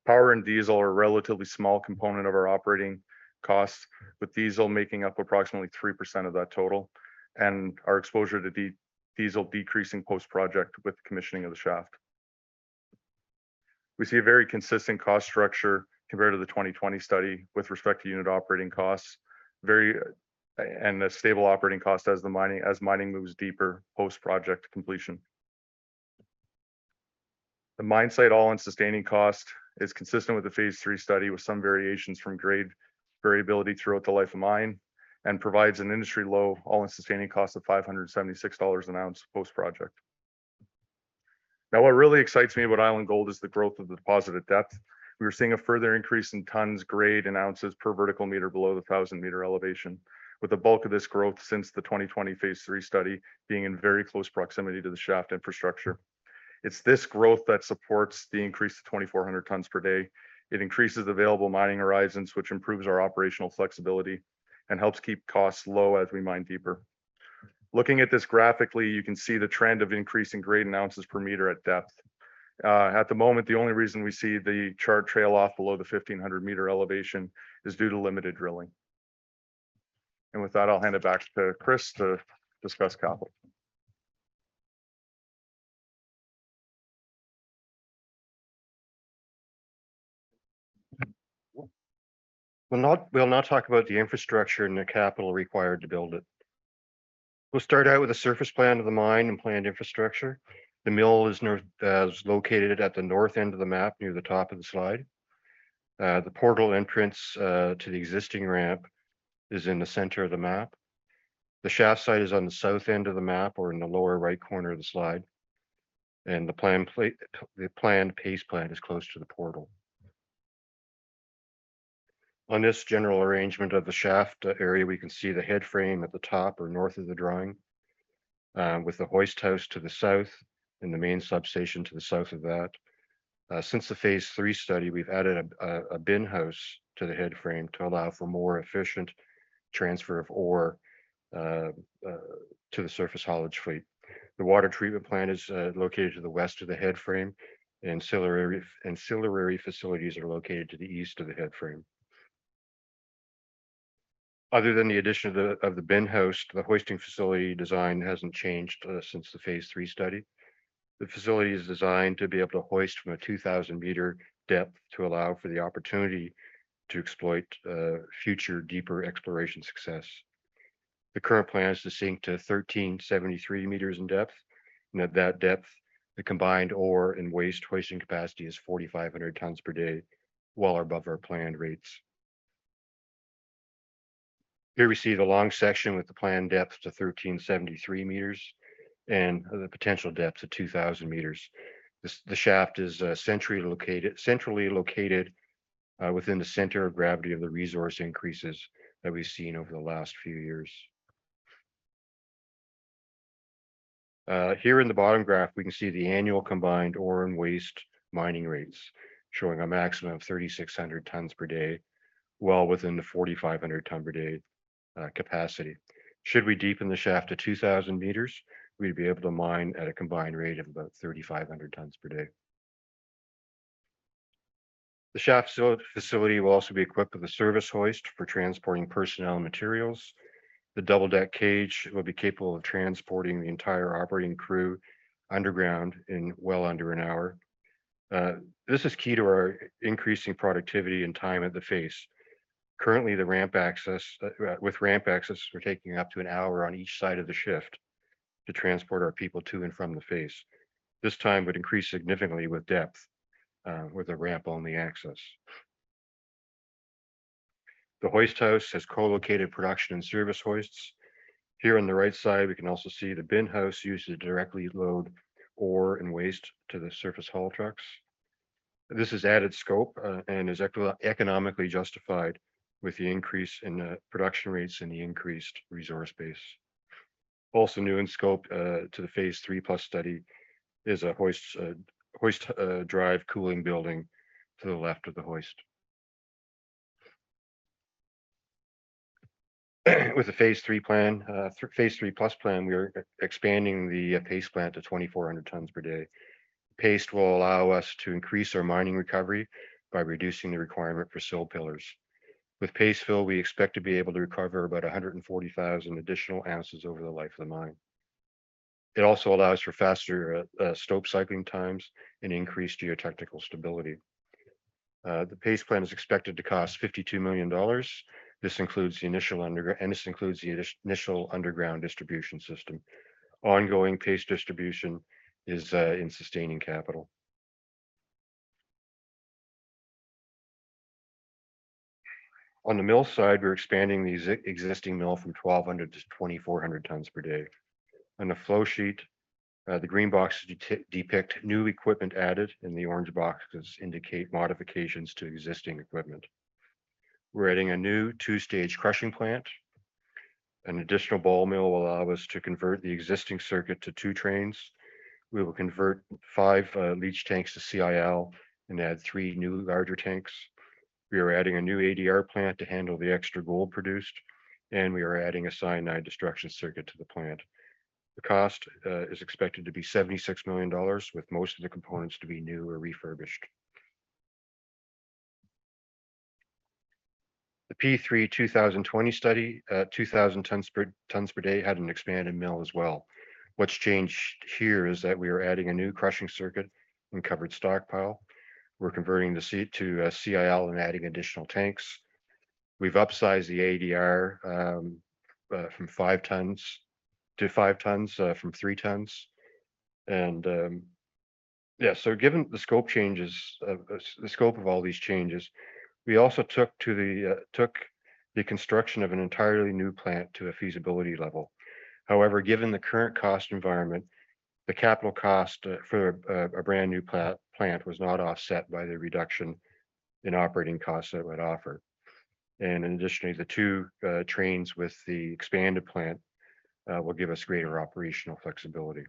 Power and diesel are a relatively small component of our operating costs, with diesel making up approximately 3% of that total, and our exposure to diesel decreasing post-project with the commissioning of the shaft. We see a very consistent cost structure compared to the 2020 study with respect to unit operating costs. A stable operating cost as mining moves deeper post project completion. The mine site all-in sustaining cost is consistent with the Phase 3 study, with some variations from grade variability throughout the life of mine, and provides an industry-low all-in sustaining cost of $576 an ounce post-project. Now what really excites me about Island Gold is the growth of the deposit at depth. We are seeing a further increase in tons, grade, and ounces per vertical meter below the 1,000-meter elevation, with the bulk of this growth since the 2020 Phase 3 study being in very close proximity to the shaft infrastructure. It's this growth that supports the increase to 2,400 tons per day. It increases available mining horizons, which improves our operational flexibility and helps keep costs low as we mine deeper. Looking at this graphically, you can see the trend of increase in grade and ounces per meter at depth. At the moment, the only reason we see the chart trail off below the 1,500-meter elevation is due to limited drilling. With that, I'll hand it back to Chris to discuss capital. We'll now talk about the infrastructure and the capital required to build it. We'll start out with a surface plan of the mine and planned infrastructure. The mill is located at the north end of the map, near the top of the slide. The portal entrance to the existing ramp is in the center of the map. The shaft site is on the south end of the map, or in the lower right corner of the slide. The planned paste plant is close to the portal. On this general arrangement of the shaft area, we can see the head frame at the top or north of the drawing. With the hoist house to the south and the main substation to the south of that. Since the phase 3 study, we've added a bin house to the headframe to allow for more efficient transfer of ore to the surface haulage fleet. The water treatment plant is located to the west of the headframe. Ancillary facilities are located to the east of the headframe. Other than the addition of the bin house, the hoisting facility design hasn't changed since the phase 3 study. The facility is designed to be able to hoist from a 2,000-meter depth to allow for the opportunity to exploit future deeper exploration success. The current plan is to sink to 1,373 m in depth. At that depth, the combined ore and waste hoisting capacity is 4,500 tons per day, well above our planned rates. Here we see the long section with the planned depth to 1,373 m and the potential depth to 2,000 m. The shaft is centrally located within the center of gravity of the resource increases that we've seen over the last few years. Here in the bottom graph, we can see the annual combined ore and waste mining rates showing a maximum of 3,600 tons per day, well within the 4,500 ton per day capacity. Should we deepen the shaft to 2,000 m, we'd be able to mine at a combined rate of about 3,500 tons per day. The shaft facility will also be equipped with a service hoist for transporting personnel and materials. The double deck cage will be capable of transporting the entire operating crew underground in well under an hour. This is key to our increasing productivity and time at the face. Currently, the ramp access, we're taking up to an hour on each side of the shift to transport our people to and from the face. This time would increase significantly with depth with a ramp on the access. The hoist house has co-located production and service hoists. Here on the right side, we can also see the bin house used to directly load ore and waste to the surface haul trucks. This is added scope and is economically justified with the increase in production rates and the increased resource base. Also new in scope to the Phase 3+ study is a hoist drive cooling building to the left of the hoist. With the Phase 3+ plan, we are expanding the paste plant to 2,400 tons per day. Paste will allow us to increase our mining recovery by reducing the requirement for sill pillars. With paste fill, we expect to be able to recover about 140,000 additional ounces over the life of the mine. It also allows for faster stope cycling times and increased geotechnical stability. The paste plan is expected to cost $52 million. This includes the initial underground distribution system. Ongoing paste distribution is in sustaining capital. On the mill side, we're expanding the existing mill from 1,200 to 2,400 tons per day. On the flow sheet, the green boxes depict new equipment added and the orange boxes indicate modifications to existing equipment. We're adding a new two-stage crushing plant. An additional ball mill will allow us to convert the existing circuit to two trains. We will convert five leach tanks to CIL and add three new larger tanks. We are adding a new ADR plant to handle the extra gold produced, and we are adding a cyanide destruction circuit to the plant. The cost is expected to be $76 million with most of the components to be new or refurbished. The P3, 2020 study at 2,000 tons per day had an expanded mill as well. What's changed here is that we are adding a new crushing circuit and covered stockpile. We're converting to CIL and adding additional tanks. We've upsized the ADR from 5 tons to 5 tons from 3 tons. Given the scope changes, the scope of all these changes, we also took the construction of an entirely new plant to a feasibility level. However, given the current cost environment, the capital cost for a brand new plant was not offset by the reduction in operating costs that it would offer. Additionally, the two trains with the expanded plant will give us greater operational flexibility.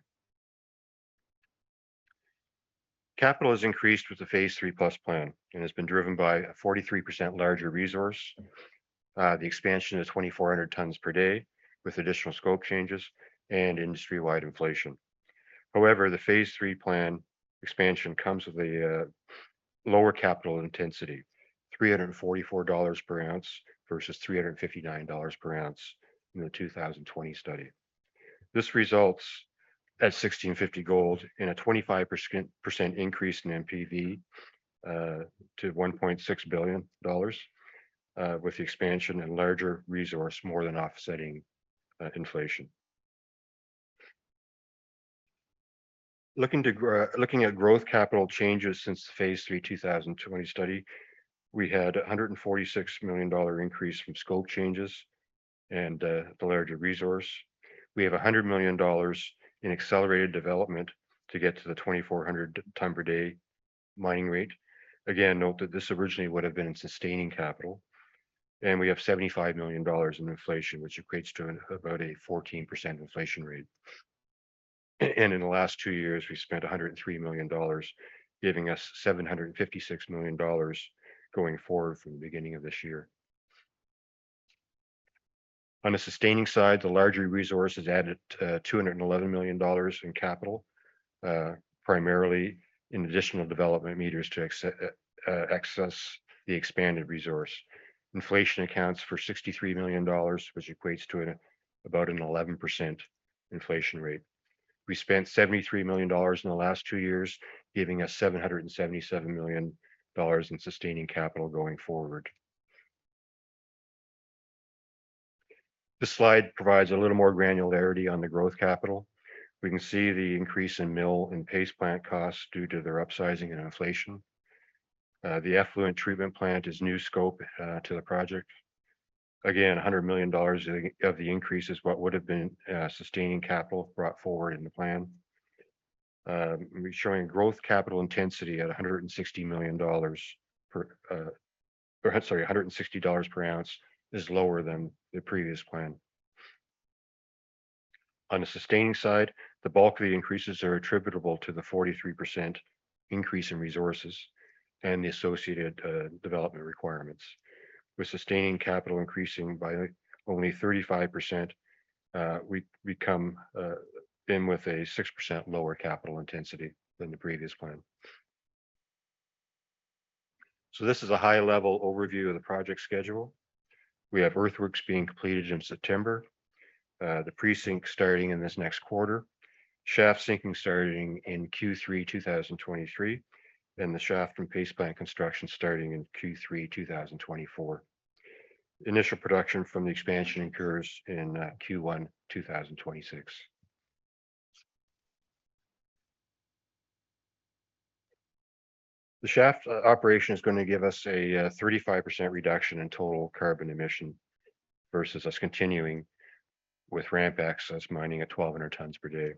Capital has increased with the Phase 3+ plan and has been driven by a 43% larger resource, the expansion of 2,400 tons per day with additional scope changes and industry-wide inflation. However, the Phase 3 plan expansion comes with a lower capital intensity, $344 per ounce versus $359 per ounce in the 2020 study. This results at $1,650 gold in a 25% increase in NPV to $1.6 billion with the expansion and larger resource more than offsetting inflation. Looking to grow, looking at growth capital changes since the phase 3 2020 study, we had a $146 million increase from scope changes and the larger resource. We have $100 million in accelerated development to get to the 2,400 ton per day mining rate. Again, note that this originally would have been in sustaining capital, and we have $75 million in inflation, which equates to about a 14% inflation rate. And in the last two years, we've spent $103 million, giving us $756 million going forward from the beginning of this year. On the sustaining side, the larger resource has added $211 million in capital, primarily in additional development meters to access the expanded resource. Inflation accounts for $63 million, which equates to about an 11% inflation rate. We spent $73 million in the last two years, giving us $777 million in sustaining capital going forward. This slide provides a little more granularity on the growth capital. We can see the increase in mill and paste plant costs due to their upsizing and inflation. The effluent treatment plant is new scope to the project. Again, $100 million of the increase is what would have been sustaining capital brought forward in the plan. We're showing growth capital intensity at $160 per ounce, which is lower than the previous plan. On the sustaining side, the bulk of the increases are attributable to the 43% increase in resources and the associated development requirements. With sustaining capital increasing by only 35%, we become in with a 6% lower capital intensity than the previous plan. This is a high-level overview of the project schedule. We have earthworks being completed in September, the pre-sink starting in this next quarter, shaft sinking starting in Q3 2023, and the shaft and paste plant construction starting in Q3 2024. Initial production from the expansion occurs in Q1 2026. The shaft operation is gonna give us a 35% reduction in total carbon emission versus us continuing with ramp access mining at 1,200 tons per day.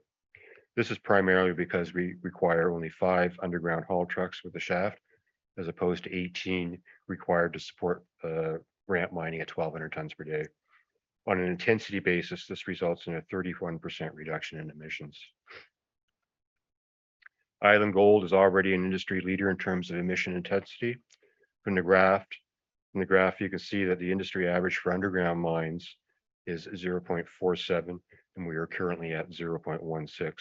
This is primarily because we require only five underground haul trucks with the shaft as opposed to 18 required to support, ramp mining at 1,200 tons per day. On an intensity basis, this results in a 31% reduction in emissions. Island Gold is already an industry leader in terms of emission intensity. From the graph, you can see that the industry average for underground mines is 0.47, and we are currently at 0.16.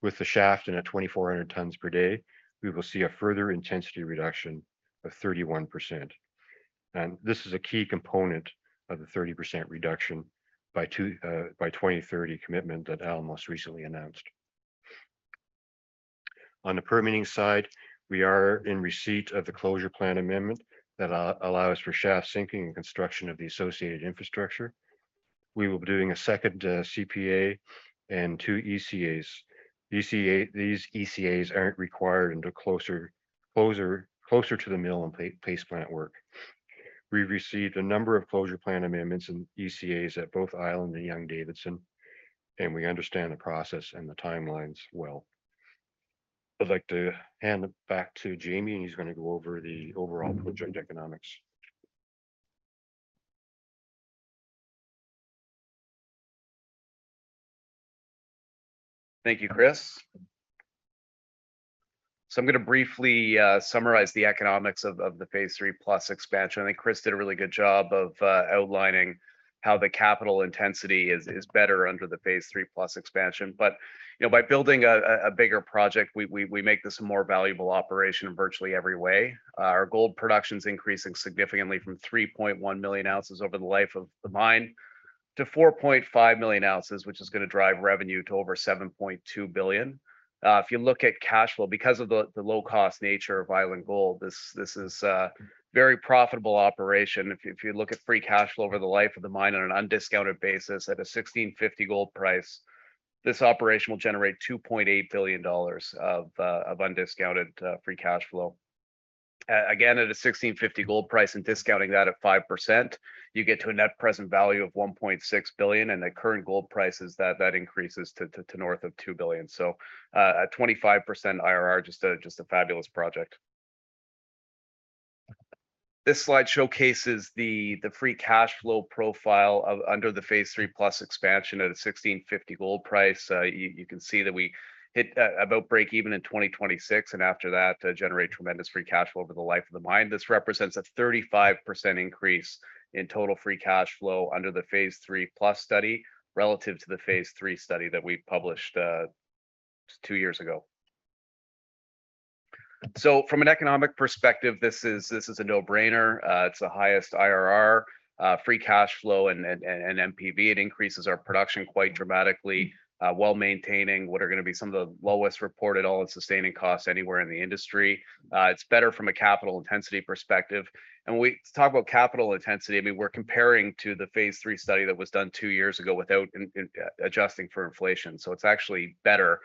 With the shaft in at 2,400 tons per day, we will see a further intensity reduction of 31%. This is a key component of the 30% reduction by 2030 commitment that Alamos most recently announced. On the permitting side, we are in receipt of the closure plan amendment that allows for shaft sinking and construction of the associated infrastructure. We will be doing a second CPA and two ECAs. ECA, these ECAs aren't required until closer to the mill and paste plant work. We've received a number of closure plan amendments and ECAs at both Island and Young-Davidson, and we understand the process and the timelines well. I'd like to hand it back to Jamie, and he's gonna go over the overall project economics. Thank you, Chris. I'm gonna briefly summarize the economics of the Phase 3+ expansion. I think Chris did a really good job of outlining how the capital intensity is better under the Phase 3+ expansion. You know, by building a bigger project, we make this a more valuable operation in virtually every way. Our gold production's increasing significantly from 3.1 million ounces over the life of the mine to 4.5 million ounces, which is gonna drive revenue to over $7.2 billion. If you look at cash flow, because of the low-cost nature of Island Gold, this is a very profitable operation. If you look at free cash flow over the life of the mine on an undiscounted basis at a $1,650 gold price, this operation will generate $2.8 billion of undiscounted free cash flow. Again, at a $1,650 gold price and discounting that at 5%, you get to a net present value of $1.6 billion, and at current gold prices, that increases to north of $2 billion. At 25% IRR, a fabulous project. This slide showcases the free cash flow profile under the Phase 3+ expansion at a $1,650 gold price. You can see that we hit about breakeven in 2026, and after that, generate tremendous free cash flow over the life of the mine. This represents a 35% increase in total free cash flow under the Phase 3+ study relative to the Phase 3 study that we published two years ago. From an economic perspective, this is a no-brainer. It's the highest IRR, free cash flow, and NPV. It increases our production quite dramatically while maintaining what are gonna be some of the lowest reported all-in sustaining costs anywhere in the industry. It's better from a capital intensity perspective. When we talk about capital intensity, I mean, we're comparing to the Phase 3 study that was done two years ago without adjusting for inflation. It's actually better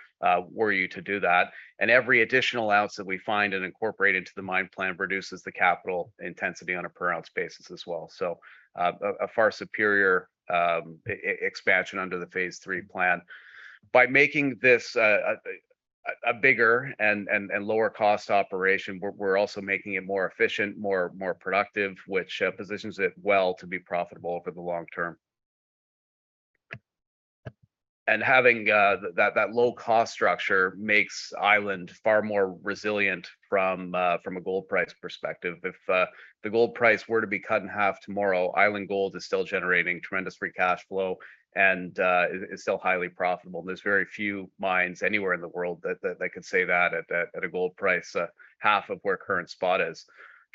were you to do that. Every additional ounce that we find and incorporate into the mine plan reduces the capital intensity on a per ounce basis as well. A far superior expansion under the Phase 3 plan. By making this a bigger and lower cost operation, but we're also making it more efficient, more productive, which positions it well to be profitable for the long term. Having that low cost structure makes Island far more resilient from a gold price perspective. If the gold price were to be cut in half tomorrow, Island Gold is still generating tremendous free cash flow and it's still highly profitable. There's very few mines anywhere in the world that could say that at a gold price half of where current spot is.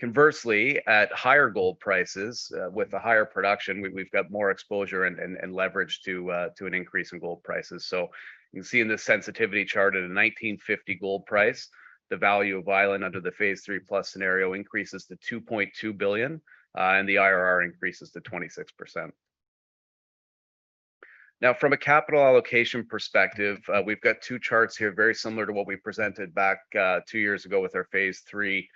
Conversely, at higher gold prices, with the higher production, we've got more exposure and leverage to an increase in gold prices. You can see in this sensitivity chart at a $1,950 gold price, the value of Island under the Phase 3+ scenario increases to $2.2 billion, and the IRR increases to 26%. From a capital allocation perspective, we've got two charts here very similar to what we presented back two years ago with our Phase 3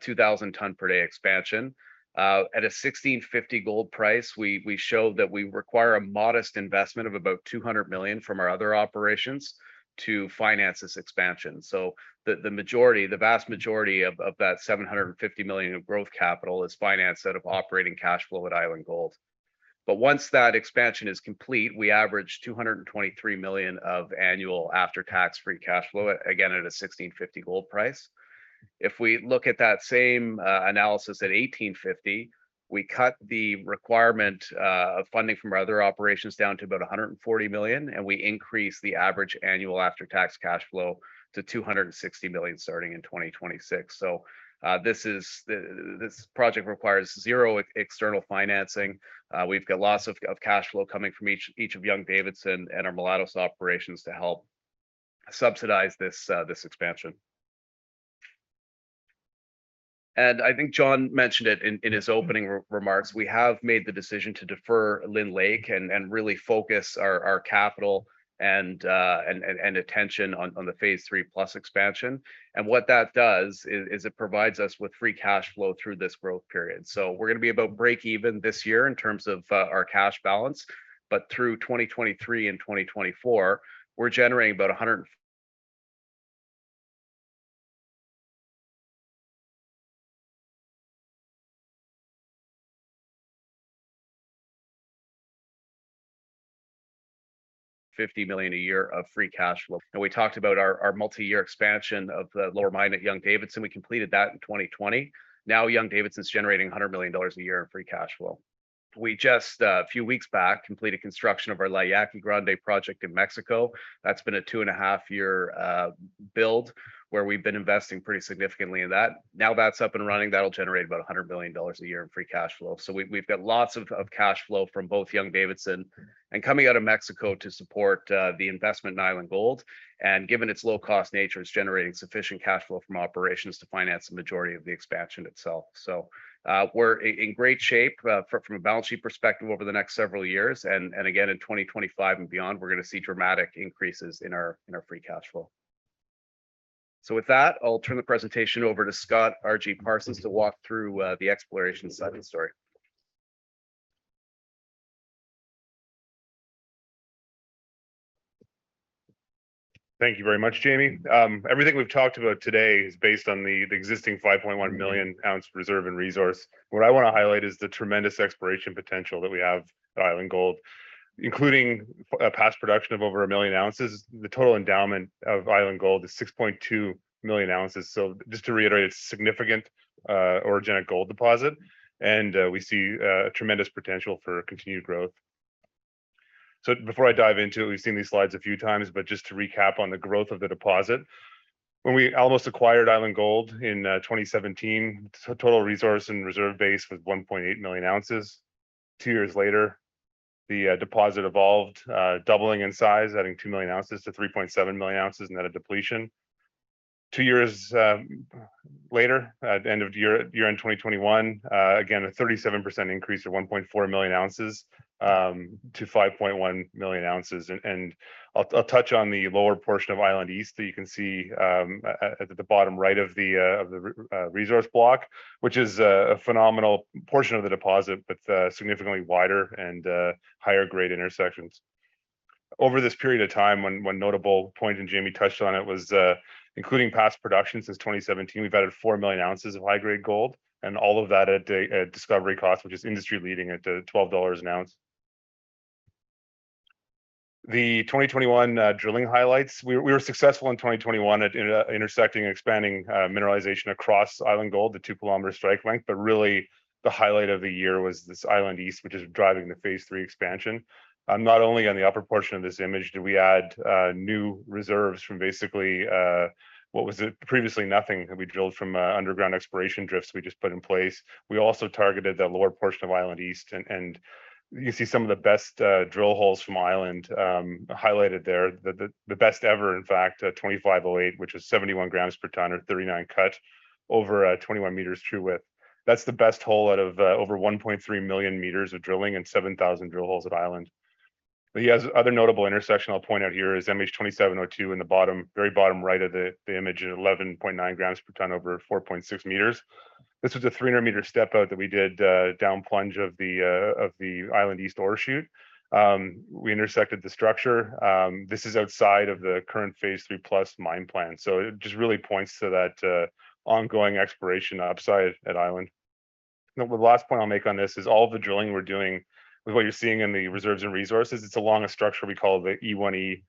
2,000 ton per day expansion. At a $1,650 gold price, we showed that we require a modest investment of about $200 million from our other operations to finance this expansion. The majority, the vast majority of that $750 million of growth capital is financed out of operating cash flow at Island Gold. Once that expansion is complete, we average $223 million of annual after-tax free cash flow, again, at a $1,650 gold price. If we look at that same analysis at $1,850, we cut the requirement of funding from our other operations down to about $140 million, and we increase the average annual after-tax cash flow to $260 million starting in 2026. This project requires zero external financing. We've got lots of cash flow coming from each of Young-Davidson and our Mulatos operations to help subsidize this expansion. I think John mentioned it in his opening remarks. We have made the decision to defer Lynn Lake and really focus our capital and attention on the Phase 3+ expansion. What that does is it provides us with free cash flow through this growth period. We're gonna be about break even this year in terms of our cash balance. Through 2023 and 2024, we're generating about $150 million a year of free cash flow. We talked about our multi-year expansion of the lower mine at Young-Davidson. We completed that in 2020. Now, Young-Davidson's generating $100 million a year in free cash flow. We just a few weeks back completed construction of our La Yaqui Grande project in Mexico. That's been a two-and-a-half year build where we've been investing pretty significantly in that. Now that's up and running, that'll generate about $100 million a year in free cash flow. We've got lots of cash flow from both Young-Davidson and coming out of Mexico to support the investment in Island Gold. Given its low cost nature, it's generating sufficient cash flow from operations to finance the majority of the expansion itself. We're in great shape from a balance sheet perspective over the next several years. Again, in 2025 and beyond, we're gonna see dramatic increases in our free cash flow. With that, I'll turn the presentation over to Scott R.G. Parsons to walk through the exploration side of the story. Thank you very much, Jamie. Everything we've talked about today is based on the existing 5.1 million ounce reserve and resource. What I wanna highlight is the tremendous exploration potential that we have at Island Gold, including past production of over 1 million ounces. The total endowment of Island Gold is 6.2 million ounces. Just to reiterate, it's a significant orogenic gold deposit. We see tremendous potential for continued growth. Before I dive into it, we've seen these slides a few times, but just to recap on the growth of the deposit. When we almost acquired Island Gold in 2017, total resource and reserve base was 1.8 million ounces. Two years later, the deposit evolved, doubling in size, adding 2 million ounces to 3.7 million ounces net of depletion. Two years later, at year-end 2021, again, a 37% increase of 1.4 million ounces to 5.1 million ounces. I'll touch on the lower portion of Island East that you can see at the bottom right of the resource block, which is a phenomenal portion of the deposit, but significantly wider and higher grade intersections. Over this period of time, one notable point and Jamie touched on it, was including past production since 2017, we've added 4 million ounces of high-grade gold and all of that at a discovery cost, which is industry-leading at $12 an ounce. The 2021 drilling highlights, we were successful in 2021 at intersecting and expanding mineralization across Island Gold, the two-kilometer strike length. Really the highlight of the year was this Island East, which is driving the Phase 3 expansion. Not only on the upper portion of this image did we add new reserves from basically what was previously nothing. We drilled from underground exploration drifts we just put in place. We also targeted the lower portion of Island East and you can see some of the best drill holes from Island highlighted there. The best ever in fact LDR-25-08, which is 71 g per ton or 39 cut over 21 m true width. That's the best hole out of over 1.3 million meters of drilling and 7,000 drill holes at Island. The other notable intersection I'll point out here is MH27-02 in the bottom, very bottom right of the image at 11.9 g per ton over 4.6 m. This was a 300-meter step out that we did down plunge of the Island East ore shoot. We intersected the structure. This is outside of the current Phase 3+ mine plan. It just really points to that ongoing exploration upside at Island Gold. The last point I'll make on this is all the drilling we're doing with what you're seeing in the reserves and resources, it's along a structure we call the E1E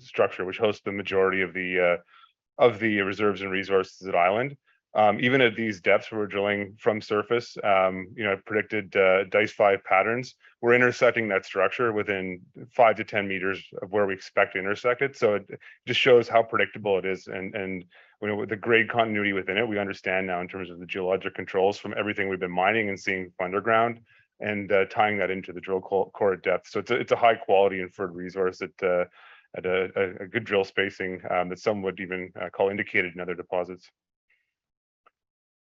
structure, which hosts the majority of the reserves and resources at Island Gold. Even at these depths we're drilling from surface, you know, predicted dice five patterns. We're intersecting that structure within 5 to 10 m of where we expect to intersect it, so it just shows how predictable it is, and with the grade continuity within it, we understand now in terms of the geologic controls from everything we've been mining and seeing underground, and tying that into the drill core depth. It's a high quality inferred resource that at a good drill spacing that some would even call indicated in other deposits.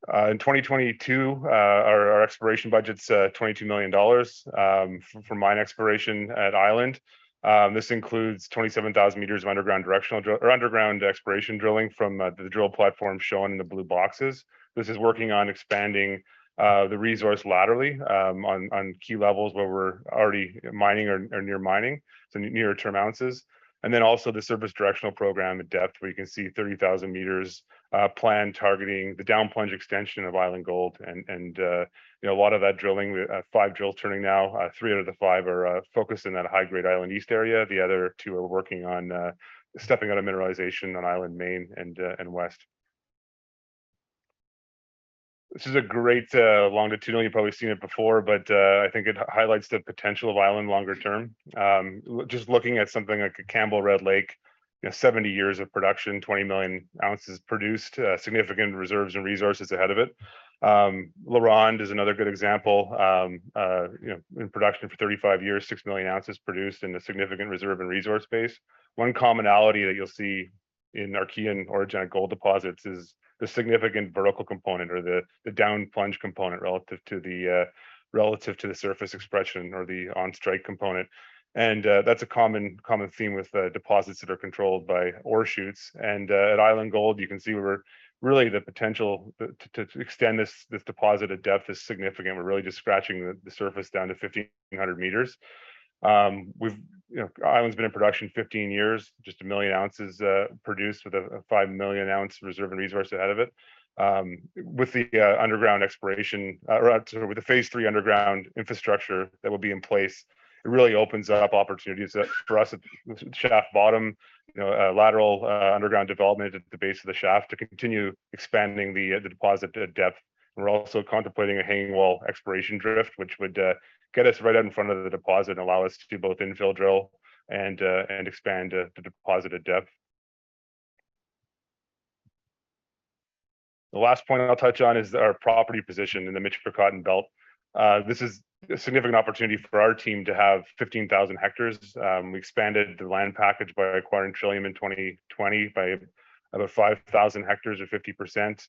In 2022, our exploration budget's $22 million for mine exploration at Island. This includes 27,000 m of underground exploration drilling from the drill platform shown in the blue boxes. This is working on expanding the resource laterally on key levels where we're already mining or near mining, so near term ounces. Then also the surface directional program at depth, where you can see 30,000 m plan targeting the down plunge extension of Island Gold. You know, a lot of that drilling, we have five drills turning now, three out of the five are focused in that high-grade Island East area. The other two are working on stepping out a mineralization on Island Main and West. This is a great longitudinal, you've probably seen it before, but I think it highlights the potential of Island longer term. Just looking at something like a Campbell Red Lake, you know, 70 years of production, 20 million ounces produced, significant reserves and resources ahead of it. LaRonde is another good example. You know, in production for 35 years, 6 million ounces produced in the significant reserve and resource base. One commonality that you'll see in Archean orogenic gold deposits is the significant vertical component or the down plunge component relative to the surface expression or the on strike component. That's a common theme with deposits that are controlled by ore shoots. At Island Gold, you can see where really the potential to extend this deposit at depth is significant. We're really just scratching the surface down to 1,500 m. We've, you know, Island's been in production 15 years, just a million ounces produced with a 5 million ounce reserve and resource ahead of it. With the underground exploration or with the Phase 3 underground infrastructure that will be in place, it really opens up opportunities for us at shaft bottom, you know, lateral underground development at the base of the shaft to continue expanding the deposit at depth. We're also contemplating a hanging wall exploration drift, which would get us right out in front of the deposit and allow us to do both infill drill and expand the deposit at depth. The last point I'll touch on is our property position in the Michipicoten Belt. This is a significant opportunity for our team to have 15,000 hectares. We expanded the land package by acquiring Trillium in 2020 by about 5,000 hectares or 50%.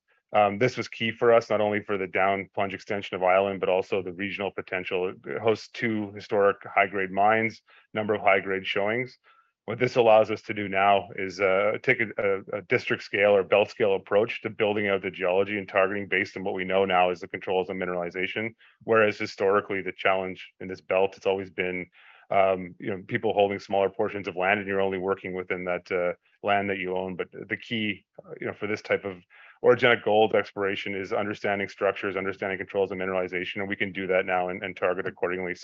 This was key for us, not only for the down plunge extension of Island, but also the regional potential. It hosts two historic high-grade mines, number of high-grade showings. What this allows us to do now is take a district scale or belt scale approach to building out the geology and targeting based on what we know now is the controls and mineralization. Whereas historically, the challenge in this belt, it's always been, you know, people holding smaller portions of land, and you're only working within that land that you own. The key, you know, for this type of orogenic gold exploration is understanding structures, understanding controls and mineralization, and we can do that now and target accordingly.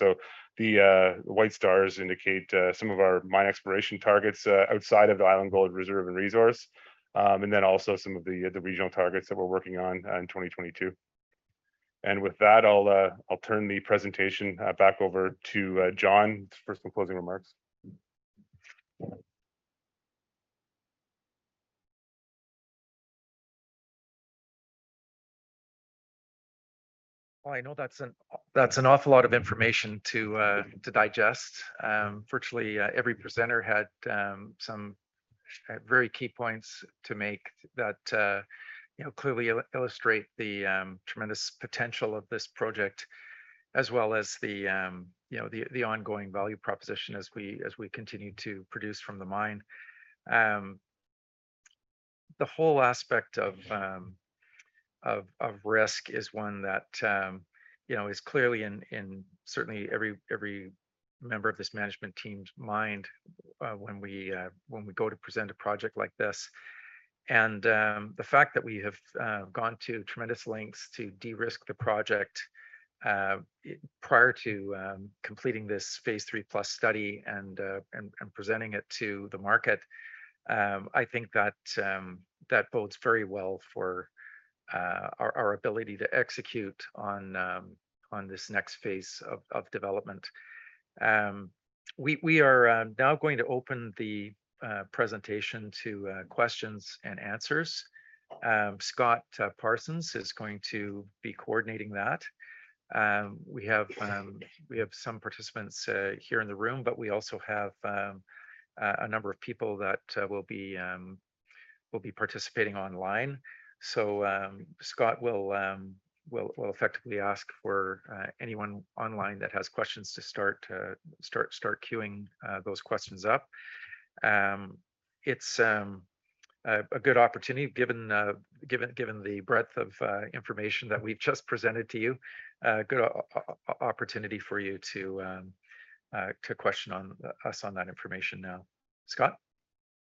The white stars indicate some of our mine exploration targets outside of Island Gold reserve and resource, and then also some of the regional targets that we're working on in 2022. With that, I'll turn the presentation back over to John for some closing remarks. Well, I know that's an awful lot of information to digest. Virtually every presenter had some very key points to make that you know clearly illustrate the tremendous potential of this project as well as you know the ongoing value proposition as we continue to produce from the mine. The whole aspect of risk is one that you know is clearly in certainly every member of this management team's mind when we go to present a project like this. The fact that we have gone to tremendous lengths to de-risk the project prior to completing this Phase 3+ study and presenting it to the market, I think that bodes very well for our ability to execute on this next phase of development. We are now going to open the presentation to questions and answers. Scott Parsons is going to be coordinating that. We have some participants here in the room, but we also have a number of people that will be participating online. Scott will effectively ask for anyone online that has questions to start queuing those questions up. It's a good opportunity given the breadth of information that we've just presented to you, a good opportunity for you to question us on that information now. Scott?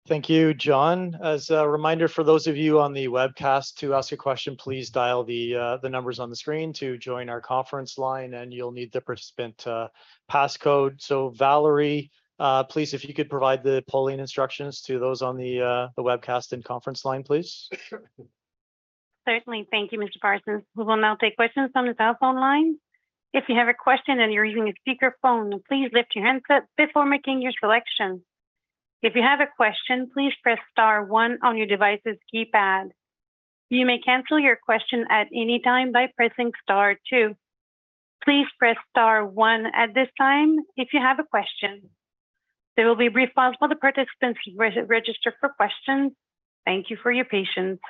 Thank you, John. As a reminder for those of you on the webcast, to ask a question, please dial the numbers on the screen to join our conference line, and you'll need the participant passcode. Valerie, please, if you could provide the polling instructions to those on the webcast and conference line, please. Certainly. Thank you, Mr. Parsons. We will now take questions on the telephone line. If you have a question and you're using a speakerphone, please lift your handset before making your selection. If you have a question, please press star one on your device's keypad. You may cancel your question at any time by pressing star two. Please press star one at this time if you have a question. There will be brief pause while the participants re-register for questions. Thank you for your patience.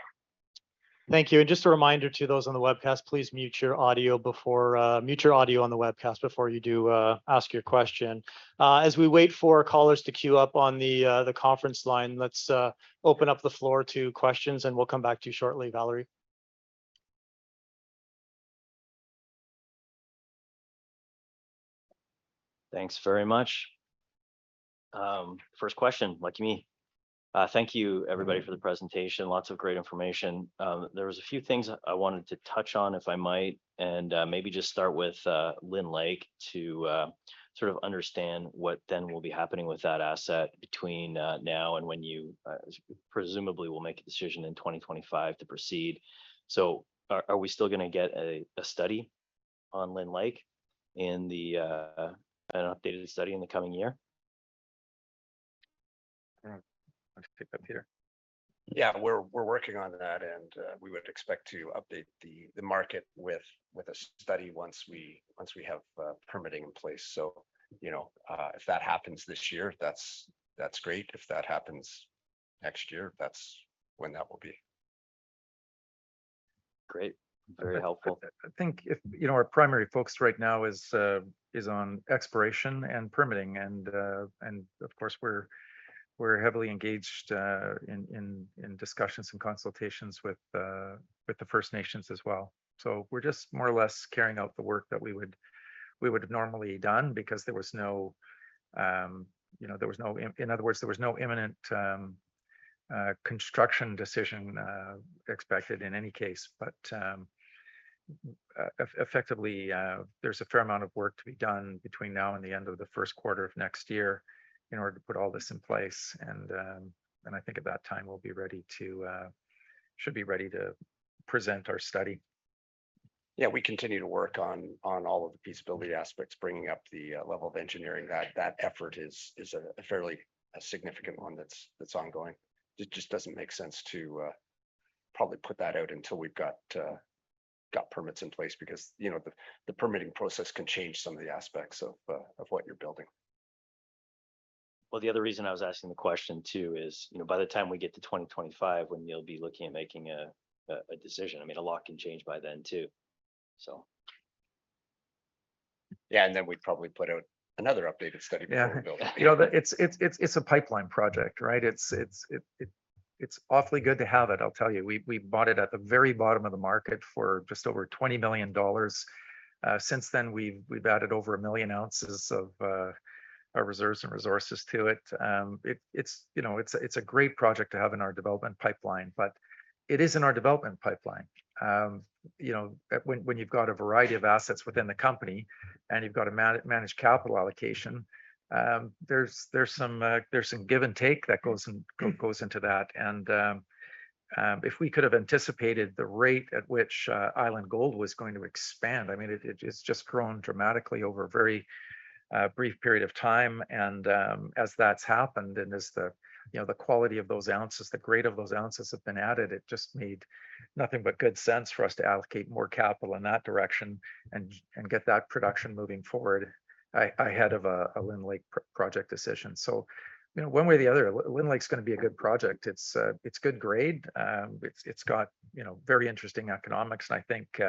Thank you, and just a reminder to those on the webcast, please mute your audio on the webcast before you ask your question. As we wait for callers to queue up on the conference line, let's open up the floor to questions, and we'll come back to you shortly, Valerie. Thanks very much. First question. Lucky me. Thank you everybody for the presentation. Lots of great information. There was a few things I wanted to touch on, if I might, and maybe just start with Lynn Lake to sort of understand what then will be happening with that asset between now and when you presumably will make a decision in 2025 to proceed. Are we still gonna get a study on Lynn Lake, an updated study in the coming year? I'll pick up here. Yeah, we're working on that, and we would expect to update the market with a study once we have permitting in place. You know, if that happens this year, that's great. If that happens next year, that's when that will be. Great. Very helpful. I think, you know, our primary focus right now is on exploration and permitting and of course we're heavily engaged in discussions and consultations with the First Nations as well. We're just more or less carrying out the work that we would have normally done because there was no imminent construction decision expected in any case. You know, in other words, effectively, there's a fair amount of work to be done between now and the end of the first quarter of next year in order to put all this in place and I think at that time we should be ready to present our study. Yeah, we continue to work on all of the feasibility aspects, bringing up the level of engineering. That effort is a fairly significant one that's ongoing. It just doesn't make sense to probably put that out until we've got permits in place because, you know, the permitting process can change some of the aspects of what you're building. Well, the other reason I was asking the question too is, you know, by the time we get to 2025 when you'll be looking at making a decision, I mean, a lot can change by then too, so. Yeah, we'd probably put out another updated study before we build. Yeah. You know, it's a pipeline project, right? It's awfully good to have it, I'll tell you. We bought it at the very bottom of the market for just over $20 million. Since then we've added over 1 million ounces of reserves and resources to it. You know, it's a great project to have in our development pipeline, but it is in our development pipeline. You know, when you've got a variety of assets within the company and you've got to manage capital allocation, there's some give and take that goes into that. If we could have anticipated the rate at which Island Gold was going to expand, I mean, it's just grown dramatically over a very brief period of time. As that's happened and as the, you know, the quality of those ounces, the grade of those ounces have been added, it just made nothing but good sense for us to allocate more capital in that direction and get that production moving forward ahead of a Lynn Lake project decision. You know, one way or the other, Lynn Lake's gonna be a good project. It's good grade. It's got, you know, very interesting economics, and I think,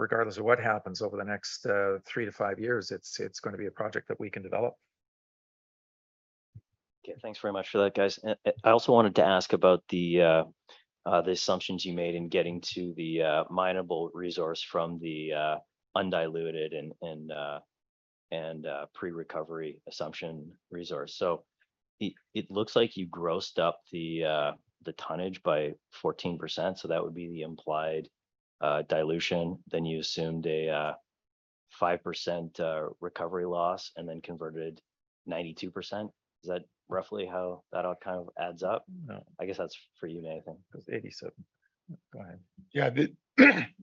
regardless of what happens over the next three to five years, it's gonna be a project that we can develop. Okay. Thanks very much for that, guys. I also wanted to ask about the assumptions you made in getting to the mine-able resource from the undiluted and pre-recovery assumption resource. It looks like you grossed up the tonnage by 14%, so that would be the implied dilution. Then you assumed a 5% recovery loss and then converted 92%. Is that roughly how that all kind of adds up? Yeah. I guess that's for you, Nathan. It was 87. Go ahead. Yeah.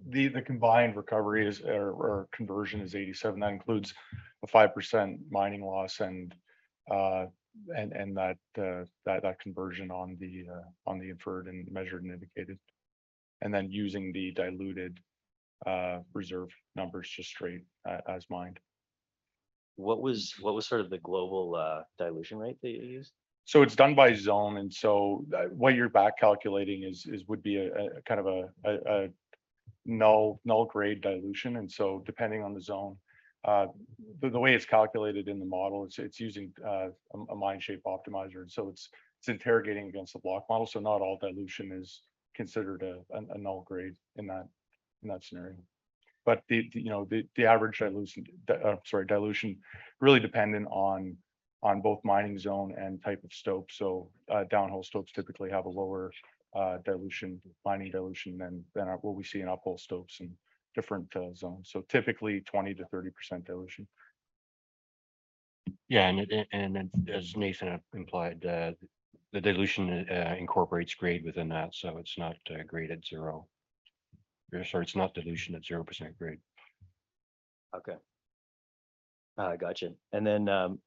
The combined recovery or conversion is 87. That includes the 5% mining loss and that conversion on the inferred and measured and indicated, and then using the diluted reserve numbers just straight as mined. What was sort of the global dilution rate that you used? It's done by zone, what you're back-calculating is would be a kind of null grade dilution. Depending on the zone, the way it's calculated in the model, it's using a stope optimizer. It's interrogating against the block model. Not all dilution is considered a null grade in that scenario. You know, the average dilution really dependent on both mining zone and type of stope. Downhole stopes typically have a lower dilution, mining dilution than what we see in uphole stopes and different zones. Typically 20%-30% dilution. Yeah. As Nathan implied, the dilution incorporates grade within that, so it's not grade at zero. Sorry, it's not dilution at 0% grade. Okay. Gotcha.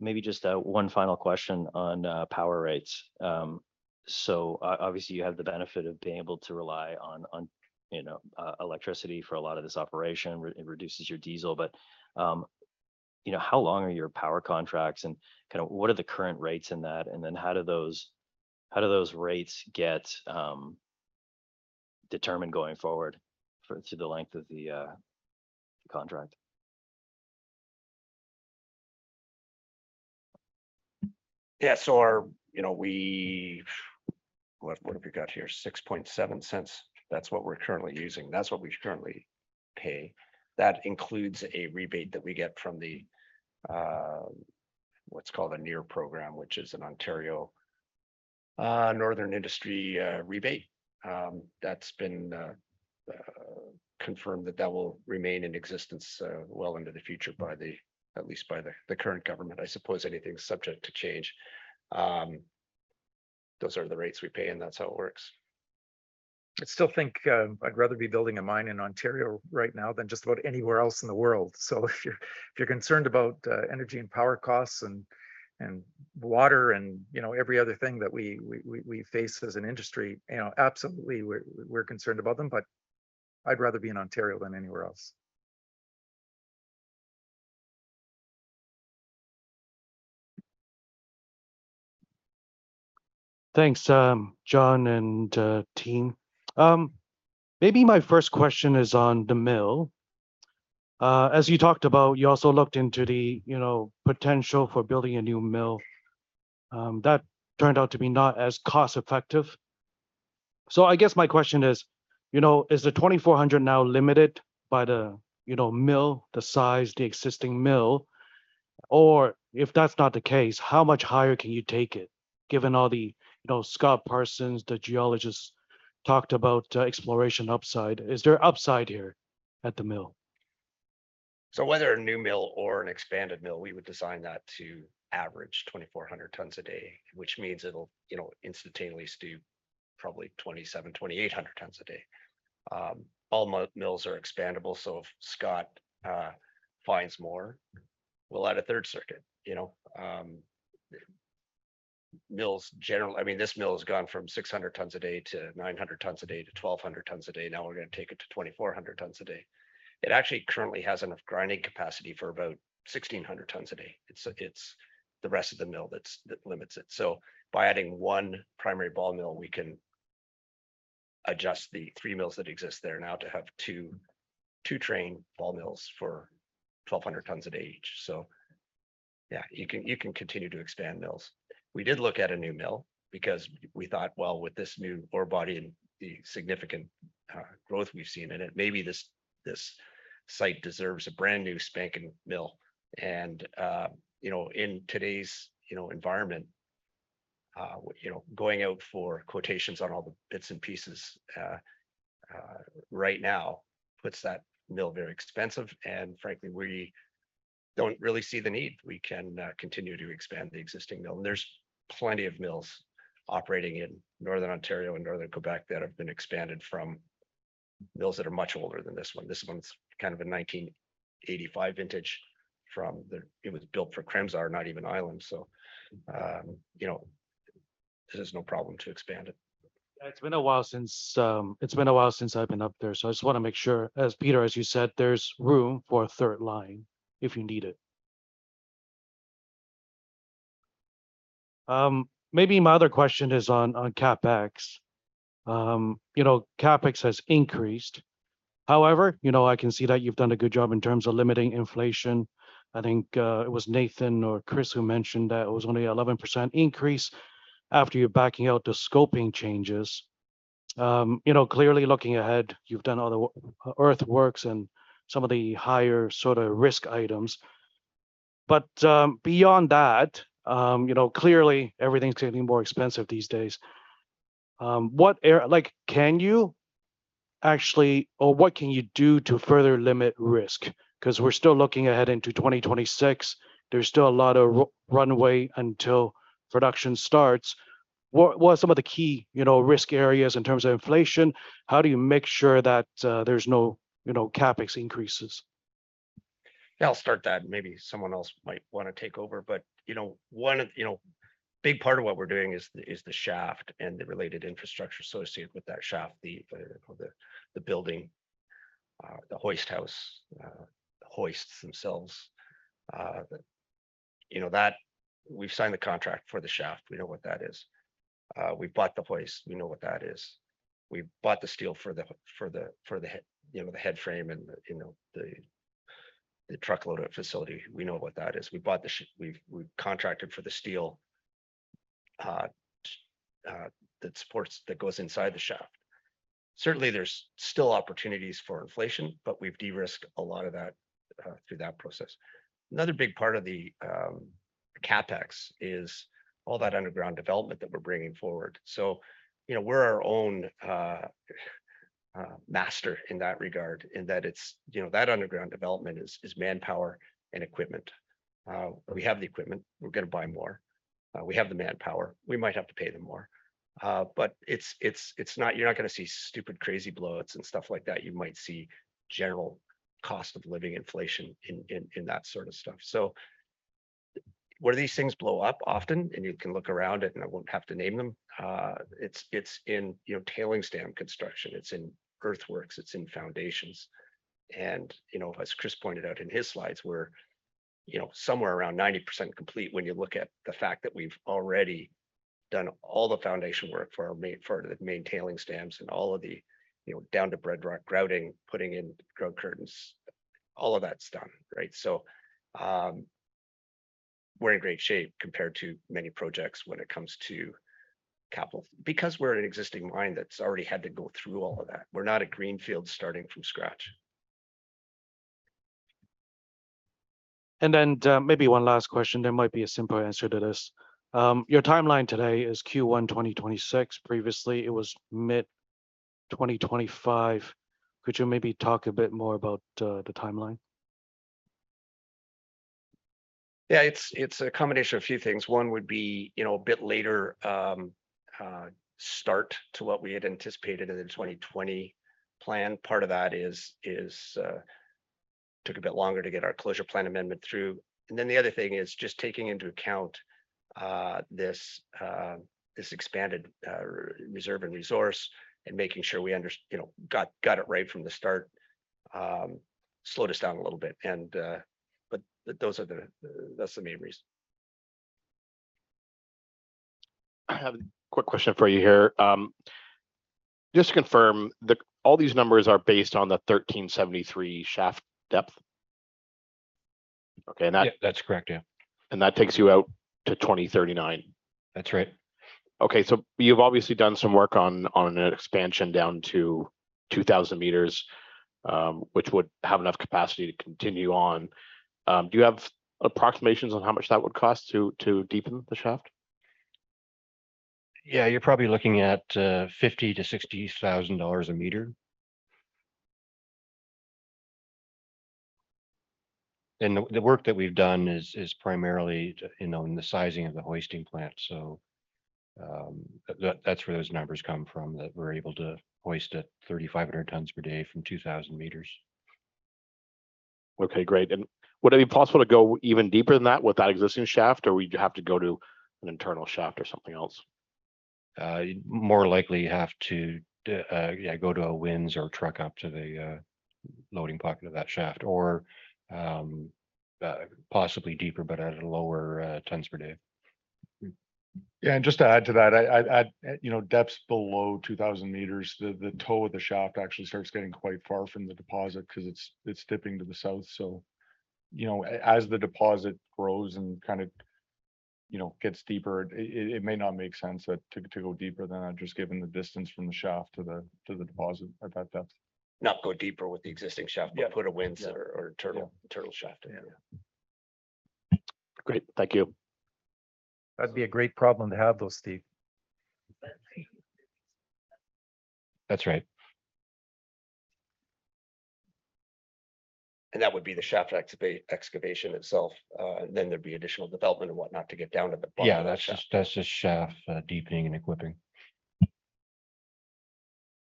Maybe just one final question on power rates. Obviously you have the benefit of being able to rely on, you know, electricity for a lot of this operation, it reduces your diesel. You know, how long are your power contracts and kind of what are the current rates in that, and then how do those rates get determined going forward to the length of the contract? Yeah. Our, you know. What have we got here? $0.067. That's what we're currently using. That's what we currently pay. That includes a rebate that we get from what's called a NEAP program, which is an Ontario northern industry rebate. That's been confirmed that that will remain in existence well into the future by at least the current government. I suppose anything's subject to change. Those are the rates we pay, and that's how it works. I still think I'd rather be building a mine in Ontario right now than just about anywhere else in the world. If you're concerned about energy and power costs and water and, you know, every other thing that we face as an industry, you know, absolutely we're concerned about them. I'd rather be in Ontario than anywhere else. Thanks, John and team. Maybe my first question is on the mill. As you talked about, you also looked into the, you know, potential for building a new mill, that turned out to be not as cost effective. I guess my question is, you know, is the 2,400 now limited by the, you know, mill, the size, the existing mill? Or if that's not the case, how much higher can you take it, given all the, you know, Scott R.G. Parsons, the geologist, talked about, exploration upside. Is there upside here at the mill? Whether a new mill or an expanded mill, we would design that to average 2,400 tons a day, which means it'll, you know, instantaneously do probably 2,700-2,800 tons a day. All mills are expandable, so if Scott finds more, we'll add a third circuit. You know, mills generally I mean, this mill has gone from 600 tons a day to 900 tons a day to 1,200 tons a day. Now we're gonna take it to 2,400 tons a day. It actually currently has enough grinding capacity for about 1,600 tons a day. It's the rest of the mill that's that limits it. By adding one primary ball mill, we can adjust the three mills that exist there now to have two-train ball mills for 1,200 tons a day each. Yeah, you can continue to expand mills. We did look at a new mill because we thought, well, with this new ore body and the significant growth we've seen in it, maybe this site deserves a brand-new spanking mill. You know, in today's, you know, environment, you know, going out for quotations on all the bits and pieces right now puts that mill very expensive. Frankly, we don't really see the need. We can continue to expand the existing mill. There's plenty of mills operating in Northern Ontario and Northern Quebec that have been expanded from mills that are much older than this one. This one's kind of a 1985 vintage. It was built for Kremzar, not even Island. You know, there's no problem to expand it. It's been a while since I've been up there, so I just wanna make sure, as you said, Peter, there's room for a third line if you need it. Maybe my other question is on CapEx. You know, CapEx has increased. However, you know, I can see that you've done a good job in terms of limiting inflation. I think it was Nathan or Chris who mentioned that it was only 11% increase after backing out the scoping changes. You know, clearly looking ahead, you've done all the earthworks and some of the higher sort of risk items. But beyond that, you know, clearly everything's getting more expensive these days. What can you do to further limit risk? Because we're still looking ahead into 2026. There's still a lot of runway until production starts. What are some of the key, you know, risk areas in terms of inflation? How do you make sure that there's no, you know, CapEx increases? Yeah, I'll start that and maybe someone else might wanna take over. You know, one of you know big part of what we're doing is the shaft and the related infrastructure associated with that shaft, the building, the hoist house, the hoists themselves. You know, that we've signed the contract for the shaft. We know what that is. We've bought the hoist. We know what that is. We've bought the steel for the headframe and the truckload facility. We know what that is. We've contracted for the steel that supports, that goes inside the shaft. Certainly there's still opportunities for inflation, but we've de-risked a lot of that through that process. Another big part of the CapEx is all that underground development that we're bringing forward. You know, we're our own master in that regard in that it's you know that underground development is manpower and equipment. We have the equipment. We're gonna buy more. We have the manpower. We might have to pay them more. It's not. You're not gonna see stupid crazy blowouts and stuff like that. You might see general cost of living inflation in that sort of stuff. Where these things blow up often, and you can look around, and I won't have to name them, it's in you know tailings dam construction. It's in earthworks. It's in foundations. You know, as Chris pointed out in his slides, we're, you know, somewhere around 90% complete when you look at the fact that we've already done all the foundation work for the main tailings stands and all of the, you know, down to bedrock grouting, putting in grout curtains. All of that's done, right? We're in great shape compared to many projects when it comes to capital because we're an existing mine that's already had to go through all of that. We're not a greenfield starting from scratch. Maybe one last question. There might be a simple answer to this. Your timeline today is Q1 2026. Previously, it was mid-2025. Could you maybe talk a bit more about the timeline? Yeah, it's a combination of a few things. One would be, you know, a bit later start than what we had anticipated in the 2020 plan. Part of that is took a bit longer to get our closure plan amendment through. The other thing is just taking into account this expanded reserve and resource and making sure we, you know, got it right from the start, slowed us down a little bit. That's the main reason. I have a quick question for you here. Just to confirm, all these numbers are based on the 1,373 shaft depth? Okay, and that. Yeah, that's correct, yeah. That takes you out to 2039. That's right. Okay, you've obviously done some work on an expansion down to 2,000 m, which would have enough capacity to continue on. Do you have approximations on how much that would cost to deepen the shaft? Yeah, you're probably looking at $50,000-$60,000 a meter. The work that we've done is primarily to, you know, in the sizing of the hoisting plant. That's where those numbers come from, that we're able to hoist at 3,500 tons per day from 2,000 m. Okay, great. Would it be possible to go even deeper than that with that existing shaft, or we'd have to go to an internal shaft or something else? More likely have to go to a winze or truck up to the loading pocket of that shaft. Possibly deeper, but at a lower tons per day. Just to add to that, I you know depths below 2,000 m, the toe of the shaft actually starts getting quite far from the deposit because it's dipping to the south. You know, as the deposit grows and kind of, you know, gets deeper, it may not make sense to go deeper than that just given the distance from the shaft to the deposit at that depth. Not go deeper with the existing shaft. Yeah. Put a winze or internal- Yeah. Internal shaft in. Yeah. Great. Thank you. That'd be a great problem to have though, Steve. That's right. That would be the shaft excavation itself. There'd be additional development and whatnot to get down to the bottom of the shaft. Yeah, that's just shaft deepening and equipping.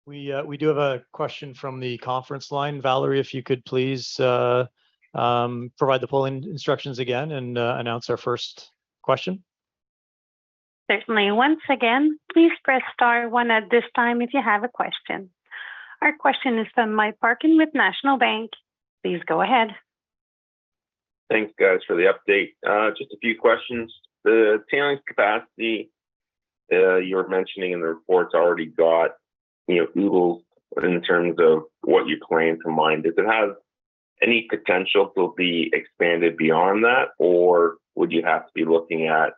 We, we do have a question from the conference line. Valerie, if you could please, provide the polling instructions again and, announce our first question. Certainly. Once again, please press star one at this time if you have a question. Our question is from Mike Parkin with National Bank Financial. Please go ahead. Thanks, guys, for the update. Just a few questions. The tailings capacity, you were mentioning in the report's already got, you know, oodles in terms of what you plan to mine. Does it have any potential to be expanded beyond that, or would you have to be looking at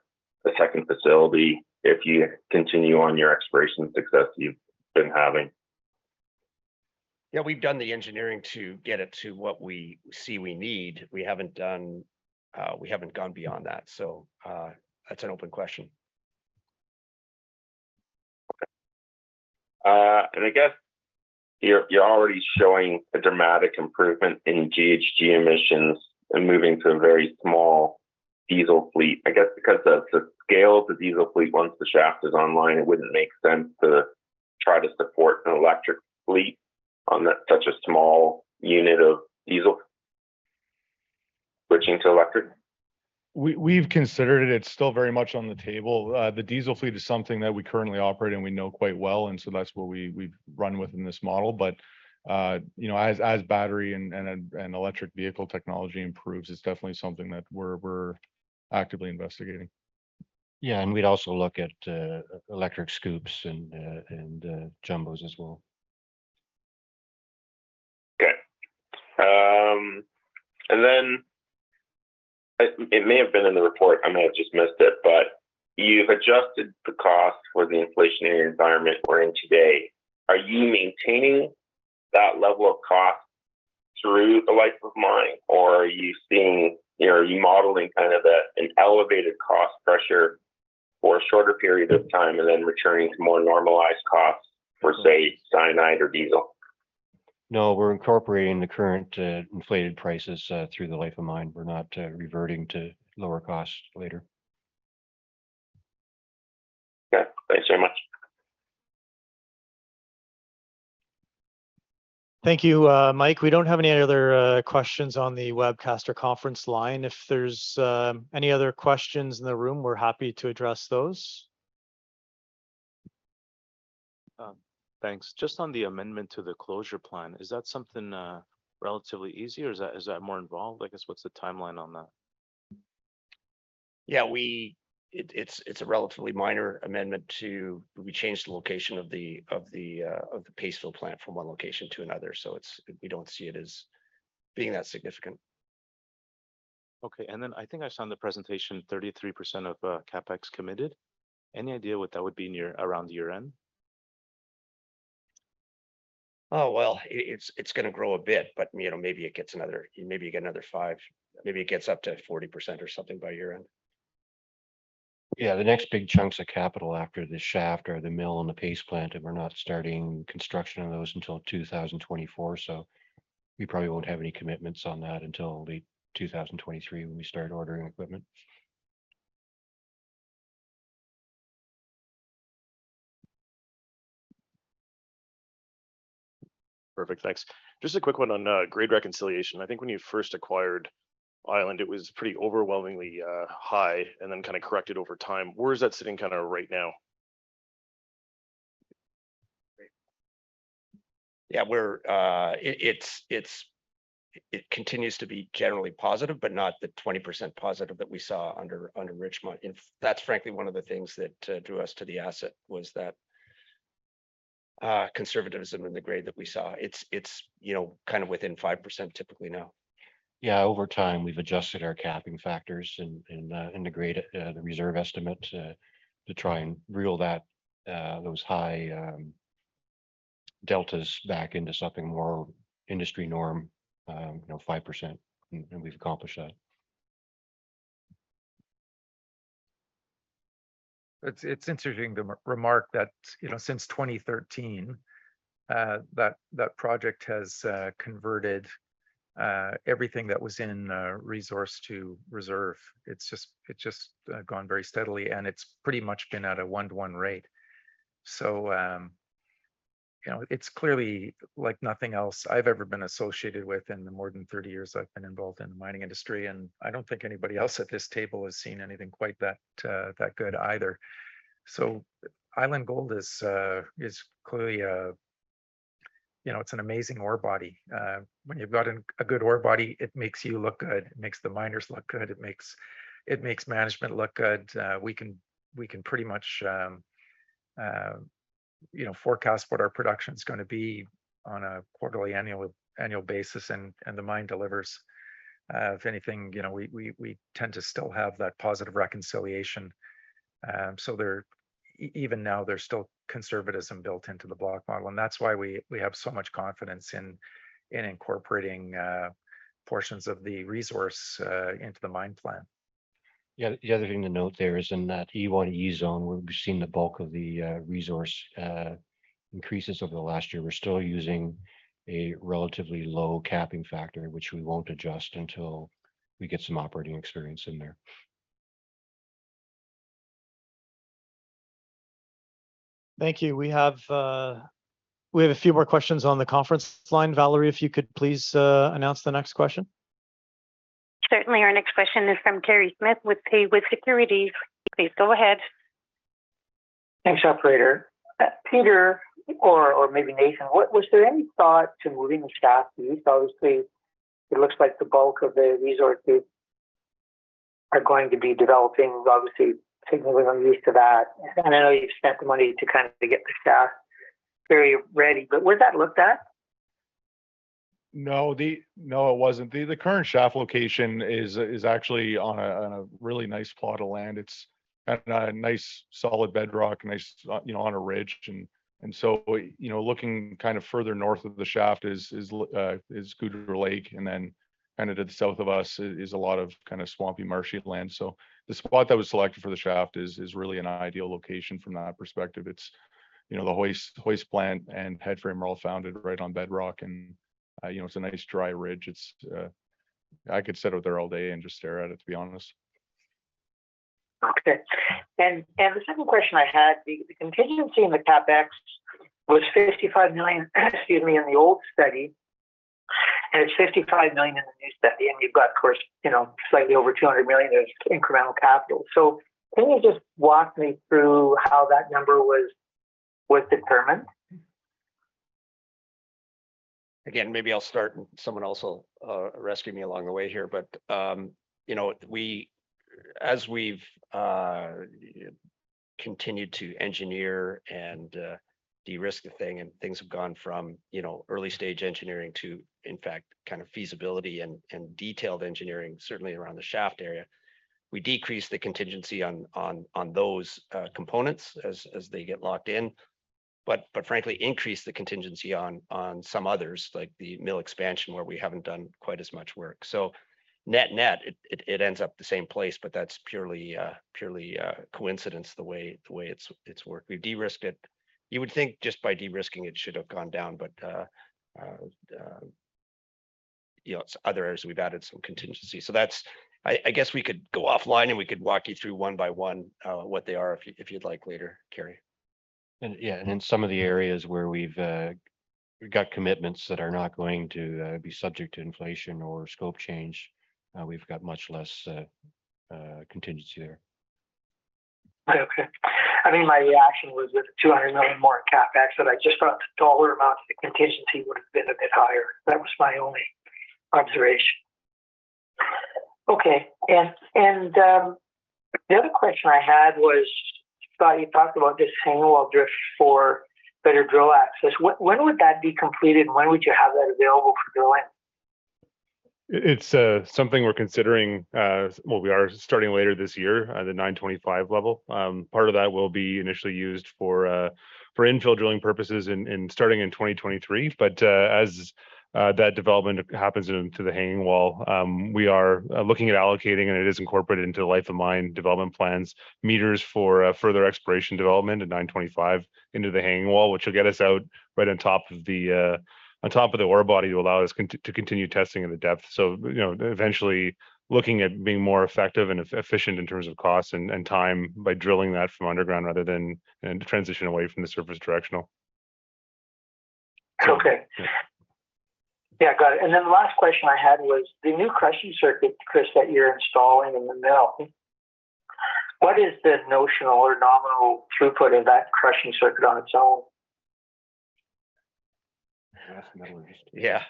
a second facility if you continue on your exploration success you've been having? Yeah, we've done the engineering to get it to what we see we need. We haven't gone beyond that. That's an open question. I guess you're already showing a dramatic improvement in GHG emissions and moving to a very small diesel fleet. I guess because of the scale of the diesel fleet, once the shaft is online, it wouldn't make sense to try to support an electric fleet on such a small unit of diesel switching to electric. We've considered it. It's still very much on the table. The diesel fleet is something that we currently operate and we know quite well, and so that's what we've run with in this model. You know, as battery and electric vehicle technology improves, it's definitely something that we're actively investigating. Yeah, we'd also look at electric scoops and jumbos as well. It may have been in the report, I may have just missed it, but you've adjusted the cost for the inflationary environment we're in today. Are you maintaining that level of cost through the life of mining, or are you seeing? Are you modeling kind of an elevated cost pressure for a shorter period of time and then returning to more normalized costs for, say, cyanide or diesel? No, we're incorporating the current, inflated prices, through the life of the mine. We're not reverting to lower costs later. Okay. Thanks very much. Thank you, Mike. We don't have any other questions on the webcast or conference line. If there's any other questions in the room, we're happy to address those. Thanks. Just on the amendment to the closure plan, is that something relatively easy, or is that more involved? I guess, what's the timeline on that? Yeah. It's a relatively minor amendment. We changed the location of the paste plant from one location to another. We don't see it as being that significant. Okay. I think I saw in the presentation 33% of CapEx committed. Any idea what that would be near, around year-end? Well, it's gonna grow a bit, but you know, maybe it gets up to 40% or something by year-end. Yeah, the next big chunks of capital after the shaft are the mill and the paste plant, and we're not starting construction on those until 2024, so we probably won't have any commitments on that until late 2023 when we start ordering equipment. Perfect, thanks. Just a quick one on grade reconciliation. I think when you first acquired Island, it was pretty overwhelmingly high and then kind of corrected over time. Where is that sitting kind of right now? Yeah. It continues to be generally positive, but not the 20% positive that we saw under Richmont. That's frankly one of the things that drew us to the asset was that conservatism in the grade that we saw. It's, you know, kind of within 5% typically now. Yeah. Over time, we've adjusted our capping factors and integrated the reserve estimate to try and reel those high deltas back into something more industry norm, you know, 5%, and we've accomplished that. It's interesting to remark that, you know, since 2013, that project has converted everything that was in resource to reserve. It's just gone very steadily, and it's pretty much been at a one-to-one rate. You know, it's clearly like nothing else I've ever been associated with in the more than 30 years I've been involved in the mining industry, and I don't think anybody else at this table has seen anything quite that good either. Island Gold is clearly, you know, it's an amazing ore body. When you've got a good ore body, it makes you look good. It makes the miners look good. It makes management look good. We can pretty much, you know, forecast what our production's gonna be on a quarterly, annual basis, and the mine delivers. If anything, you know, we tend to still have that positive reconciliation. Even now there's still conservatism built into the block model, and that's why we have so much confidence in incorporating portions of the resource into the mine plan. Yeah. The other thing to note there is in that E1E zone where we've seen the bulk of the resource increases over the last year, we're still using a relatively low capping factor, which we won't adjust until we get some operating experience in there. Thank you. We have a few more questions on the conference line. Valerie, if you could please, announce the next question. Certainly. Our next question is from Kerry Smith with Haywood Securities. Please go ahead. Thanks, operator. Peter or maybe Nathan, was there any thought to moving the shaft east? Obviously, it looks like the bulk of the resources are going to be developing obviously significantly east of that. I know you've spent the money to kind of get the shaft very ready, but was that looked at? No, it wasn't. The current shaft location is actually on a really nice plot of land. It's at a nice solid bedrock. You know, on a ridge. You know, looking kind of further north of the shaft is Goudreau Lake, and then kind of to the south of us is a lot of kind of swampy, marshy land. The spot that was selected for the shaft is really an ideal location from that perspective. You know, the hoist plant and headframe are all founded right on bedrock, and you know, it's a nice dry ridge. I could sit out there all day and just stare at it, to be honest. The second question I had, the contingency in the CapEx was $55 million, excuse me, in the old study, and it's $55 million in the new study, and you've got, of course, you know, slightly over $200 million as incremental capital. Can you just walk me through how that number was determined? Again, maybe I'll start and someone else will rescue me along the way here. But you know, as we've continued to engineer and de-risk the thing, and things have gone from, you know, early stage engineering to, in fact, kind of feasibility and detailed engineering, certainly around the shaft area, we decrease the contingency on those components as they get locked in. But frankly, increase the contingency on some others, like the mill expansion, where we haven't done quite as much work. So net-net, it ends up the same place, but that's purely coincidence the way it's worked. We've de-risked it. You would think just by de-risking it should have gone down, but you know, it's other areas we've added some contingency. So that's. I guess we could go offline, and we could walk you through one by one what they are if you'd like later, Kerry. Yeah, and in some of the areas where we've got commitments that are not going to be subject to inflation or scope change, we've got much less contingency there. Okay. I think my reaction was with the $200 million more CapEx that I just thought the dollar amount of the contingency would have been a bit higher. That was my only observation. Okay. The other question I had was, I thought you talked about this hanging wall drift for better drill access. When would that be completed? When would you have that available for drilling? It's something we're considering, well, we are starting later this year at the 925 level. Part of that will be initially used for infill drilling purposes in starting in 2023. As that development happens into the hanging wall, we are looking at allocating, and it is incorporated into the life of mine development plans, meters for further exploration development at 925 into the hanging wall, which will get us out right on top of the ore body to allow us to continue testing at the depth. You know, eventually looking at being more effective and efficient in terms of cost and time by drilling that from underground rather than and to transition away from the surface directional. Okay. Yeah, got it. The last question I had was the new crushing circuit, Chris, that you're installing in the mill, what is the notional or nominal throughput of that crushing circuit on its own? That's merely. Yeah.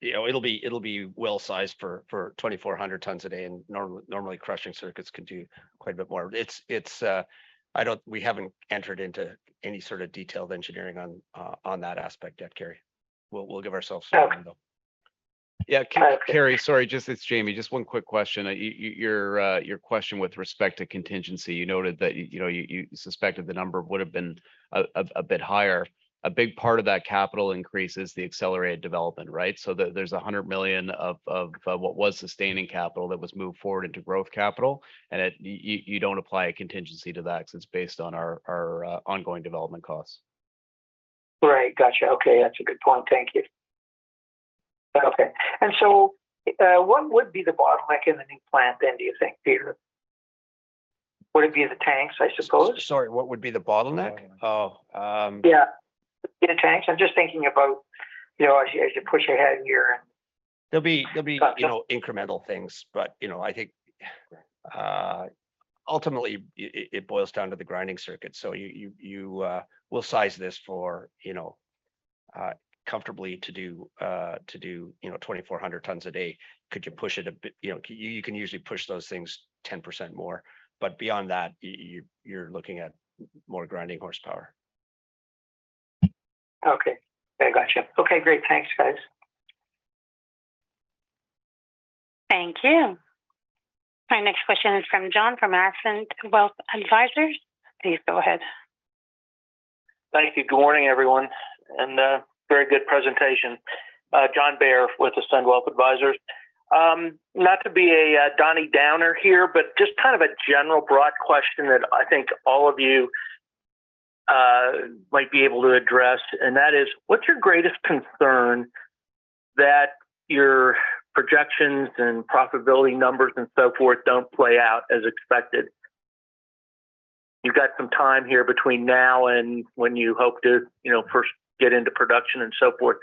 You know, it'll be well sized for 2,400 tons a day, and normally crushing circuits can do quite a bit more. It's. We haven't entered into any sort of detailed engineering on that aspect yet, Kerry. We'll give ourselves some time, though. Okay. Yeah, Kerry, sorry, just it's Jamie. Just one quick question. Your question with respect to contingency, you noted that you suspected the number would have been a bit higher. A big part of that capital increase is the accelerated development, right? There's $100 million of what was sustaining capital that was moved forward into growth capital, and you don't apply a contingency to that because it's based on our ongoing development costs. Right. Gotcha. Okay. That's a good point. Thank you. Okay. What would be the bottleneck in the new plant then, do you think, Peter? Would it be the tanks, I suppose? Sorry, what would be the bottleneck? Yeah, the tanks. I'm just thinking about, you know, as you push ahead here. There'll be, you know, incremental things. You know, I think ultimately it boils down to the grinding circuit. You we'll size this for, you know, comfortably to do, you know, 2,400 tons a day. Could you push it a bit? You know, you can usually push those things 10% more. Beyond that, you you're looking at more grinding horsepower. Okay. I gotcha. Okay, great. Thanks, guys. Thank you. My next question is from John Bair with Ascend Wealth Advisors. Please go ahead. Thank you. Good morning, everyone, and very good presentation. John Bair with Ascend Wealth Advisors. Not to be a Debbie Downer here, but just kind of a general broad question that I think all of you might be able to address, and that is, what's your greatest concern that your projections and profitability numbers and so forth don't play out as expected? You've got some time here between now and when you hope to, you know, first get into production and so forth.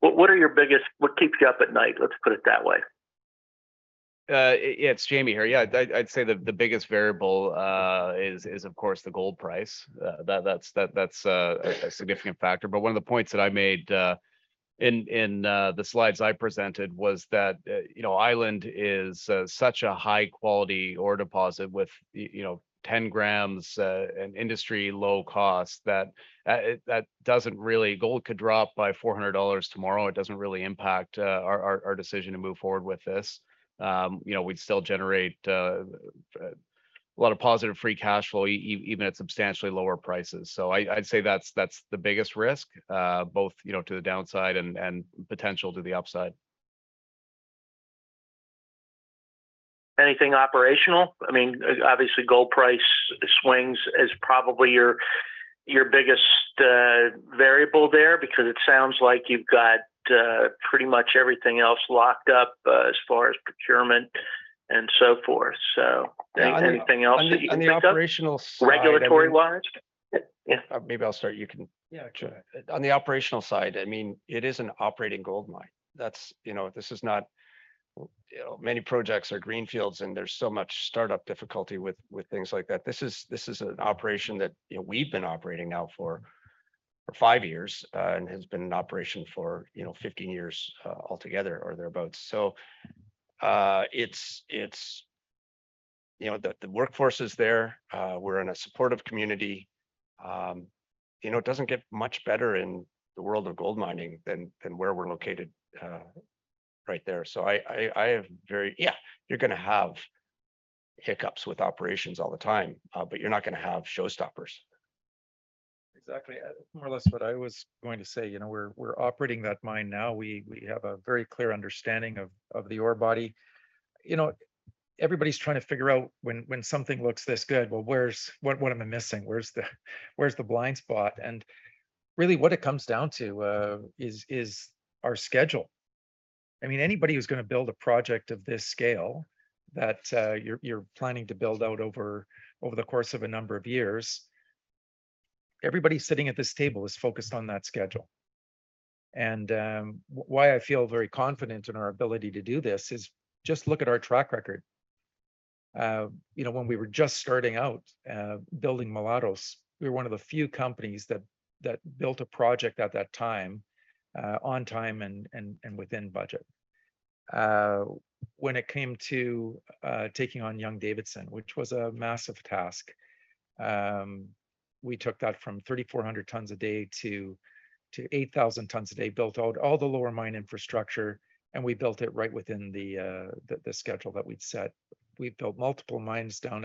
What keeps you up at night? Let's put it that way. Yeah, it's Jamie here. I'd say the biggest variable is, of course, the gold price. That's a significant factor. One of the points that I made in the slides I presented was that, you know, Island is such a high quality ore deposit with, you know, 10 g and industry low cost that that doesn't really. Gold could drop by $400 tomorrow, it doesn't really impact our decision to move forward with this. You know, we'd still generate a lot of positive free cash flow even at substantially lower prices. I'd say that's the biggest risk, both, you know, to the downside and potential to the upside. Anything operational? I mean, obviously, gold price swings is probably your biggest variable there because it sounds like you've got pretty much everything else locked up as far as procurement and so forth. Anything else that you can think of? On the operational side, I mean. Regulatory-wise? Yeah. Maybe I'll start, you can. Yeah, sure. On the operational side, I mean, it is an operating gold mine. That's, you know, this is not, you know, many projects are greenfields, and there's so much startup difficulty with things like that. This is an operation that, you know, we've been operating now for. For five years, and has been in operation for, you know, 15 years, altogether or thereabout. It's, you know, the workforce is there. We're in a supportive community. You know, it doesn't get much better in the world of gold mining than where we're located, right there. Yeah, you're gonna have hiccups with operations all the time, but you're not gonna have showstoppers. Exactly. More or less what I was going to say. You know, we're operating that mine now. We have a very clear understanding of the ore body. You know, everybody's trying to figure out when something looks this good, well, where's what am I missing? Where's the blind spot? Really what it comes down to is our schedule. I mean, anybody who's gonna build a project of this scale that you're planning to build out over the course of a number of years, everybody sitting at this table is focused on that schedule. Why I feel very confident in our ability to do this is just look at our track record. You know, when we were just starting out, building Mulatos, we were one of the few companies that built a project at that time, on time and within budget. When it came to taking on Young-Davidson, which was a massive task, we took that from 3,400 tons a day to 8,000 tons a day, built out all the lower mine infrastructure, and we built it right within the schedule that we'd set. We built multiple mines down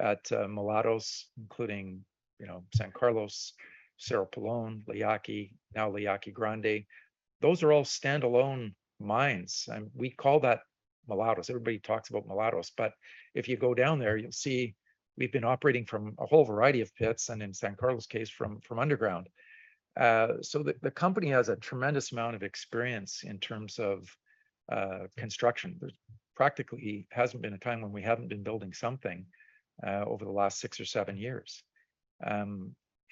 at Mulatos, including, you know, San Carlos, Cerro Pelon, La Yaqui, now La Yaqui Grande. Those are all standalone mines. We call that Mulatos. Everybody talks about Mulatos, but if you go down there, you'll see we've been operating from a whole variety of pits and, in San Carlos' case, from underground. The company has a tremendous amount of experience in terms of construction. There practically hasn't been a time when we haven't been building something over the last six or seven years.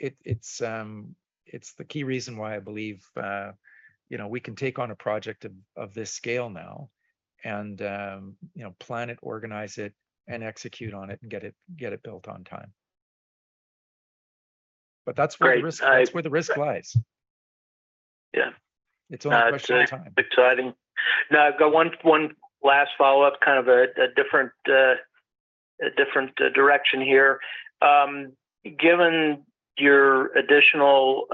It's the key reason why I believe you know we can take on a project of this scale now and you know plan it, organize it, and execute on it and get it built on time. That's where the risk. Great. That's where the risk lies. Yeah. It's all a question of time. It's exciting. Now I've got one last follow-up, kind of a different direction here. Given your additional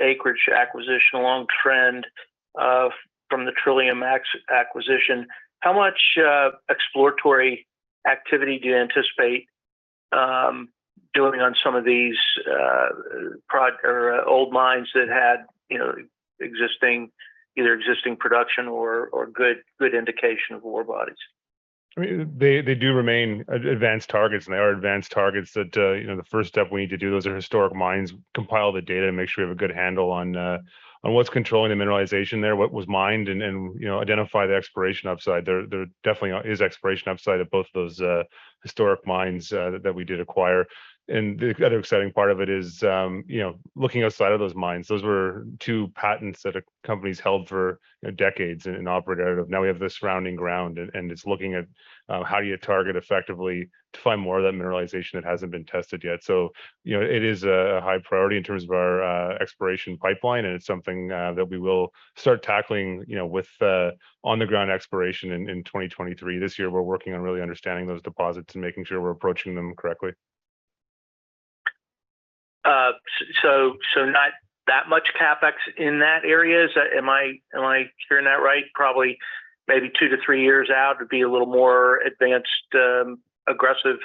acreage acquisition along trend from the Trillium acquisition, how much exploratory activity do you anticipate doing on some of these old mines that had, you know, existing production or good indication of ore bodies? I mean, they do remain advanced targets, and they are advanced targets that, you know, the first step we need to do, those are historic mines, compile the data, and make sure we have a good handle on what's controlling the mineralization there, what was mined and, you know, identify the exploration upside. There definitely is exploration upside at both those historic mines that we did acquire. The other exciting part of it is, you know, looking outside of those mines, those were two patents that a company's held for, you know, decades and operated out of. Now we have the surrounding ground and it's looking at, how do you target effectively to find more of that mineralization that hasn't been tested yet. You know, it is a high priority in terms of our exploration pipeline, and it's something that we will start tackling, you know, with on-the-ground exploration in 2023. This year we're working on really understanding those deposits and making sure we're approaching them correctly. Not that much CapEx in that area? Is that? Am I hearing that right? Probably maybe 2-3 years out would be a little more advanced, aggressive.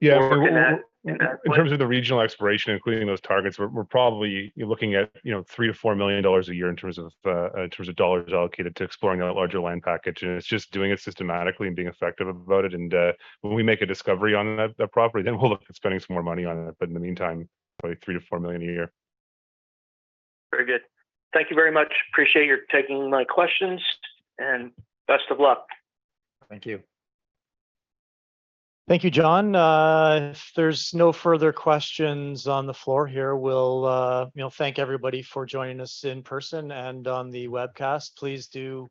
Yeah. In that plan? In terms of the regional exploration, including those targets, we're probably looking at, you know, $3 million-$4 million a year in terms of, in terms of dollars allocated to exploring that larger land package, and it's just doing it systematically and being effective about it. When we make a discovery on that property, then we'll look at spending some more money on it. In the meantime, probably $3 million-$4 million a year. Very good. Thank you very much. Appreciate your taking my questions, and best of luck. Thank you. Thank you, John. If there's no further questions on the floor here, we'll, you know, thank everybody for joining us in person and on the webcast. Please do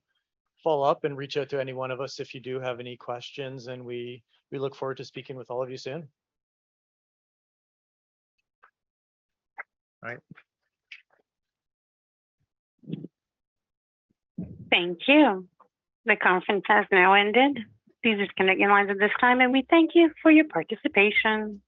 follow up and reach out to any one of us if you do have any questions, and we look forward to speaking with all of you soon. Bye. Thank you. The conference has now ended. Please disconnect your lines at this time, and we thank you for your participation